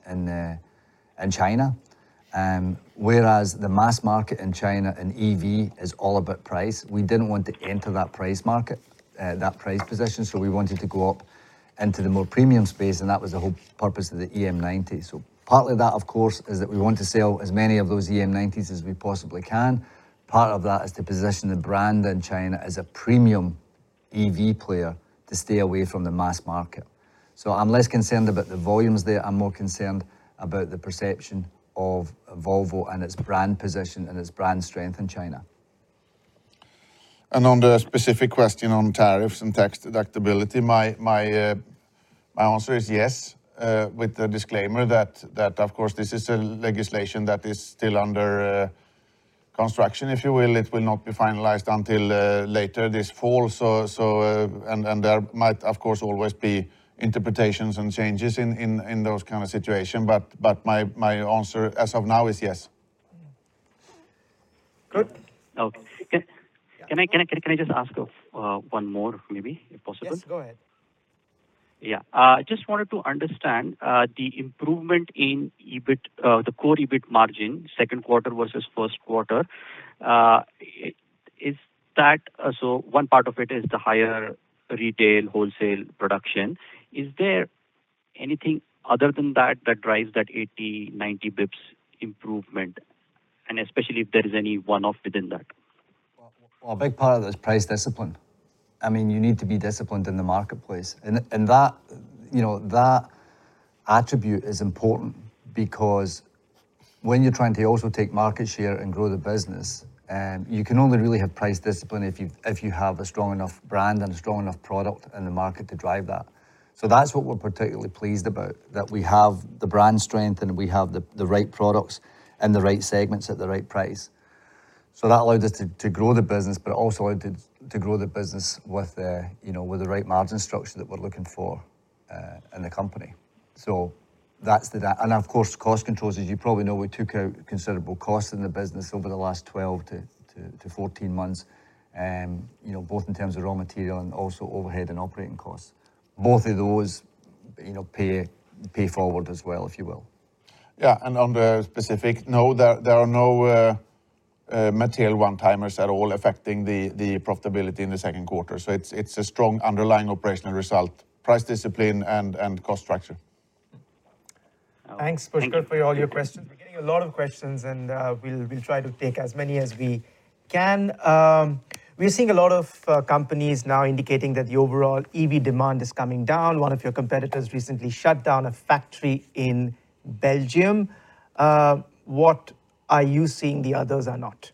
in China. Whereas the mass market in China and EV is all about price. We didn't want to enter that price market, that price position, so we wanted to go up into the more premium space, and that was the whole purpose of the EM90. So partly that, of course, is that we want to sell as many of those EM90s as we possibly can. Part of that is to position the brand in China as a premium EV player to stay away from the mass market. I'm less concerned about the volumes there, I'm more concerned about the perception of Volvo and its brand position and its brand strength in China. On the specific question on tariffs and tax deductibility, my answer is yes, with the disclaimer that of course this is a legislation that is still under construction, if you will. It will not be finalized until later this fall. So, and there might, of course, always be interpretations and changes in those kind of situation, but my answer as of now is yes. Good. Okay. Can I just ask one more, maybe, if possible? Yes, go ahead. Yeah. Just wanted to understand the improvement in EBIT, the core EBIT margin, second quarter versus first quarter. Is that, so one part of it is the higher retail, wholesale production. Is there anything other than that that drives that 80 to 90 basis points improvement, and especially if there is any one-off within that? Well, a big part of that is price discipline. I mean, you need to be disciplined in the marketplace. And that, you know, that attribute is important because when you're trying to also take market share and grow the business, you can only really have price discipline if you have a strong enough brand and a strong enough product in the market to drive that. So that's what we're particularly pleased about, that we have the brand strength, and we have the right products in the right segments at the right price. So that allowed us to grow the business, but also allowed to grow the business with the, you know, with the right margin structure that we're looking for in the company. So that's that. Of course, cost controls, as you probably know, we took out considerable costs in the business over the last 12 to 14 months, you know, both in terms of raw material and also overhead and operating costs. Both of those, you know, pay forward as well, if you will. Yeah, and on the specific, no, there are no material one-timers at all affecting the profitability in the second quarter. So it's a strong underlying operational result, price discipline and cost structure. Thanks, Pushkar, for all your questions. We're getting a lot of questions, and we'll try to take as many as we can. We're seeing a lot of companies now indicating that the overall EV demand is coming down. One of your competitors recently shut down a factory in Belgium. What are you seeing the others are not?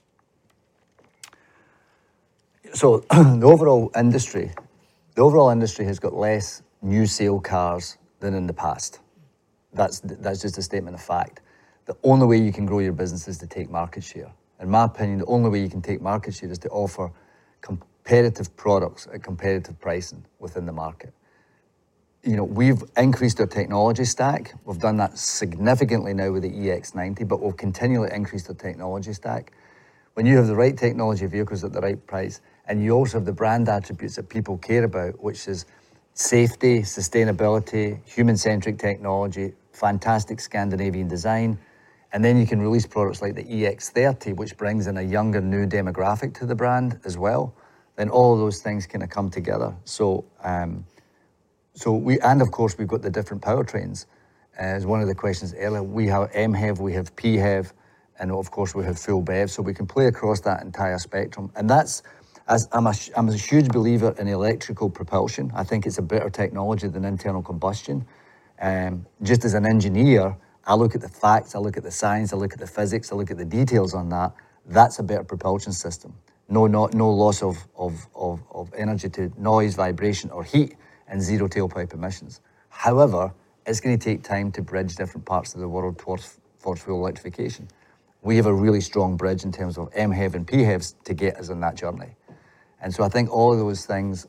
So, the overall industry, the overall industry has got less new car sales than in the past. That's, that's just a statement of fact. The only way you can grow your business is to take market share. In my opinion, the only way you can take market share is to offer competitive products at competitive pricing within the market. You know, we've increased our technology stack. We've done that significantly now with the EX90, but we'll continually increase the technology stack. When you have the right technology vehicles at the right price, and you also have the brand attributes that people care about, which is safety, sustainability, human-centric technology, fantastic Scandinavian design, and then you can release products like the EX30, which brings in a younger, new demographic to the brand as well, then all of those things can come together. And of course, we've got the different powertrains. As one of the questions earlier, we have MHEV, we have PHEV, and of course, we have full BEV. So we can play across that entire spectrum. And that's. I'm a huge believer in electrical propulsion. I think it's a better technology than internal combustion. Just as an engineer, I look at the facts, I look at the science, I look at the physics, I look at the details on that. That's a better propulsion system. No loss of energy to noise, vibration, or heat, and zero tailpipe emissions. However, it's gonna take time to bridge different parts of the world towards full electrification. We have a really strong bridge in terms of MHEV and PHEVs to get us on that journey. I think all of those things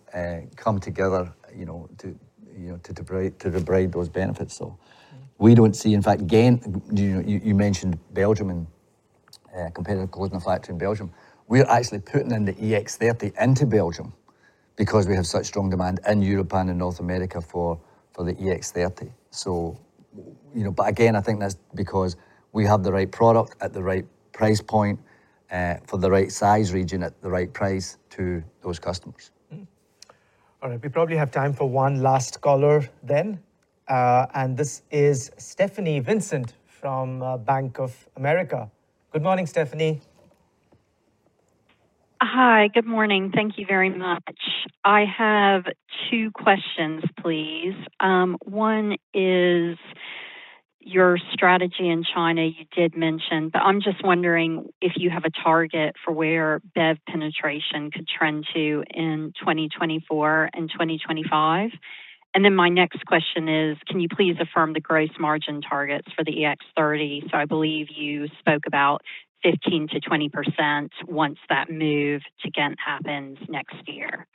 come together, you know, to drive those benefits. So, we don't see, in fact, again, you know, you mentioned Belgium and a competitor closing a factory in Belgium. We're actually putting the EX30 into Belgium because we have such strong demand in Europe and in North America for the EX30. So, you know, but again, I think that's because we have the right product at the right price point for the right size region at the right price to those customers. Mm-hmm. All right. We probably have time for one last caller then. And this is Stephanie Vincent from Bank of America. Good morning, Stephanie. Hi, good morning. Thank you very much. I have two questions, please. One is your strategy in China, you did mention, but I'm just wondering if you have a target for where BEV penetration could trend to in 2024 and 2025? And then my next question is, can you please affirm the gross margin targets for the EX30? So I believe you spoke about 15%-20% once that move to Ghent happens next year.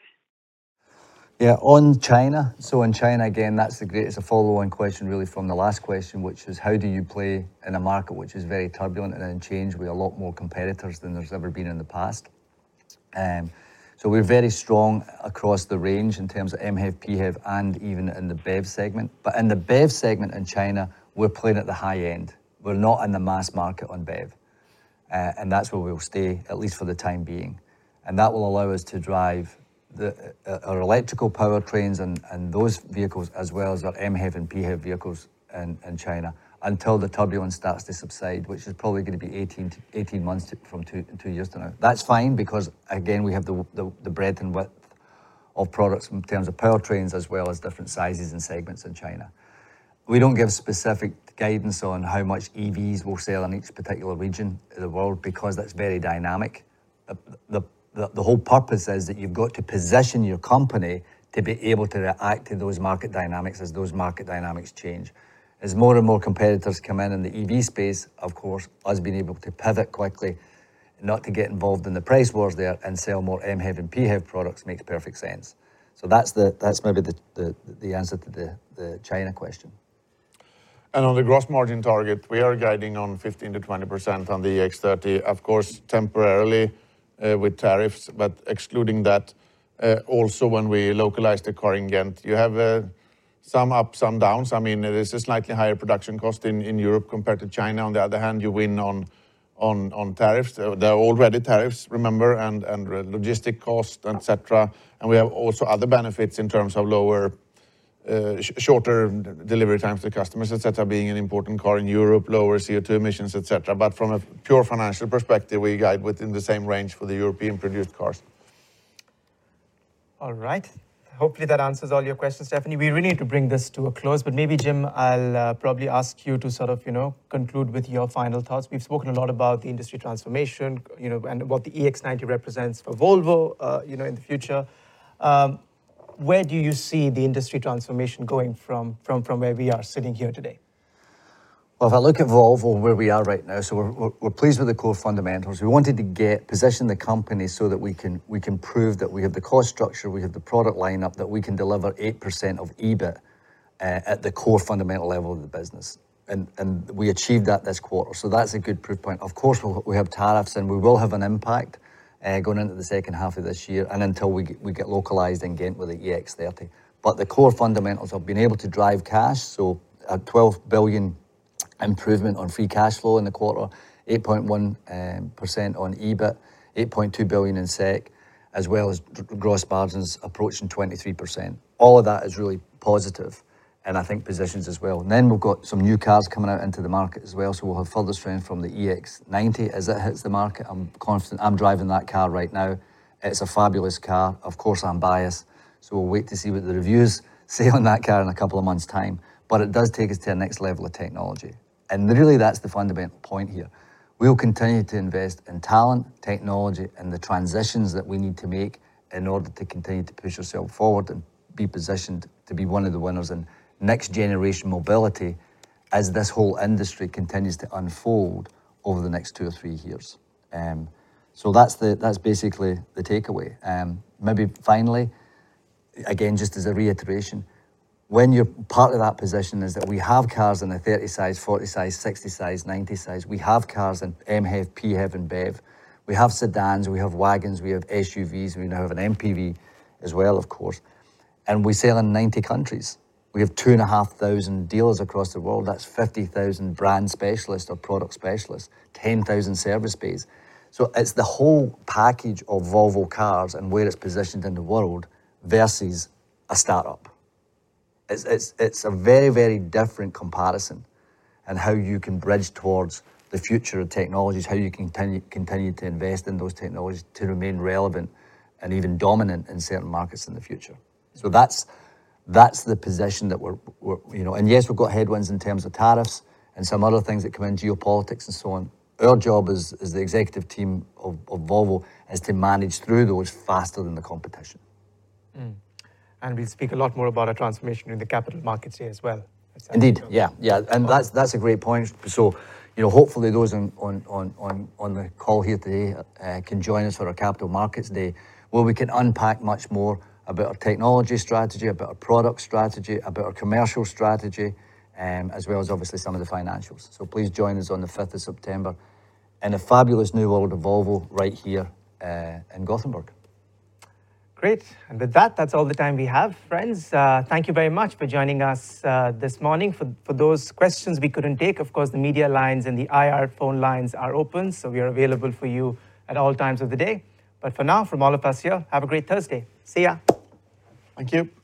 Yeah. On China, so in China, again, it's a follow-on question, really, from the last question, which is: How do you play in a market which is very turbulent and in change with a lot more competitors than there's ever been in the past? So we're very strong across the range in terms of MHEV, PHEV, and even in the BEV segment. But in the BEV segment in China, we're playing at the high end. We're not in the mass market on BEV, and that's where we'll stay, at least for the time being, and that will allow us to drive our electrical powertrains and those vehicles, as well as our MHEV and PHEV vehicles in China, until the turbulence starts to subside, which is probably gonna be 18 months to two years from now. That's fine because, again, we have the breadth and width of products in terms of powertrains as well as different sizes and segments in China. We don't give specific guidance on how much EVs we'll sell in each particular region of the world, because that's very dynamic. The whole purpose is that you've got to position your company to be able to react to those market dynamics as those market dynamics change. As more and more competitors come in, in the EV space, of course, us being able to pivot quickly, not to get involved in the price wars there and sell more MHEV and PHEV products makes perfect sense. So that's, that's maybe the answer to the China question. On the gross margin target, we are guiding on 15%-20% on the EX30, of course, temporarily with tariffs. But excluding that, also when we localize the car in Ghent, you have some ups, some downs. I mean, there is a slightly higher production cost in Europe compared to China. On the other hand, you win on tariffs. There are already tariffs, remember, and logistics cost, et cetera, and we have also other benefits in terms of lower shorter delivery time to the customers, et cetera, being an important car in Europe, lower CO2 emissions, et cetera. But from a pure financial perspective, we guide within the same range for the European-produced cars. All right. Hopefully, that answers all your questions, Stephanie. We really need to bring this to a close, but maybe, Jim, I'll probably ask you to sort of, you know, conclude with your final thoughts. We've spoken a lot about the industry transformation, you know, and what the EX90 represents for Volvo, you know, in the future. Where do you see the industry transformation going from where we are sitting here today? Well, if I look at Volvo and where we are right now, so we're pleased with the core fundamentals. We wanted to get position the company so that we can prove that we have the cost structure, we have the product line-up, that we can deliver 8% of EBIT at the core fundamental level of the business. And we achieved that this quarter, so that's a good proof point. Of course, we have tariffs, and we will have an impact going into the second half of this year and until we get localized in Ghent with the EX30. But the core fundamentals of being able to drive cash, so a 12 billion improvement on free cash flow in the quarter, 8.1% on EBIT, 8.2 billion in SEK as well as gross margins approaching 23%. All of that is really positive, and I think positions us well. And then we've got some new cars coming out into the market as well, so we'll have further strength from the EX90 as it hits the market. I'm confident. I'm driving that car right now. It's a fabulous car. Of course, I'm biased, so we'll wait to see what the reviews say on that car in a couple of months' time. But it does take us to the next level of technology, and really, that's the fundamental point here. We'll continue to invest in talent, technology, and the transitions that we need to make in order to continue to push ourselves forward and be positioned to be one of the winners in next-generation mobility as this whole industry continues to unfold over the next two or three years. So that's the, that's basically the takeaway. Maybe finally, again, just as a reiteration, when you're part of that position is that we have cars in the 30 size, 40 size, 60 size, 90 size. We have cars in MHEV, PHEV, and BEV. We have sedans, we have wagons, we have SUVs, we now have an MPV as well, of course, and we sell in 90 countries. We have 2,500 dealers across the world. That's 50,000 brand specialists or product specialists, 10,000 service bays. So it's the whole package of Volvo Cars and where it's positioned in the world versus a start-up. It's, it's, it's a very, very different comparison in how you can bridge towards the future of technologies, how you can continue, continue to invest in those technologies to remain relevant and even dominant in certain markets in the future. So that's the position that we're, you know. And yes, we've got headwinds in terms of tariffs and some other things that come in, geopolitics and so on. Our job as the executive team of Volvo is to manage through those faster than the competition. Mm-hmm. We'll speak a lot more about our transformation in the Capital Markets Day as well. Indeed. Yeah. Yeah, and that's a great point. So, you know, hopefully, those on the call here today can join us for our Capital Markets Day, where we can unpack much more about our technology strategy, about our product strategy, about our commercial strategy, as well as obviously some of the financials. So please join us on the 5th of September in the fabulous new world of Volvo right here in Gothenburg. Great! With that, that's all the time we have, friends. Thank you very much for joining us this morning. For those questions we couldn't take, of course, the media lines and the IR phone lines are open, so we are available for you at all times of the day. But for now, from all of us here, have a great Thursday. See ya. Thank you.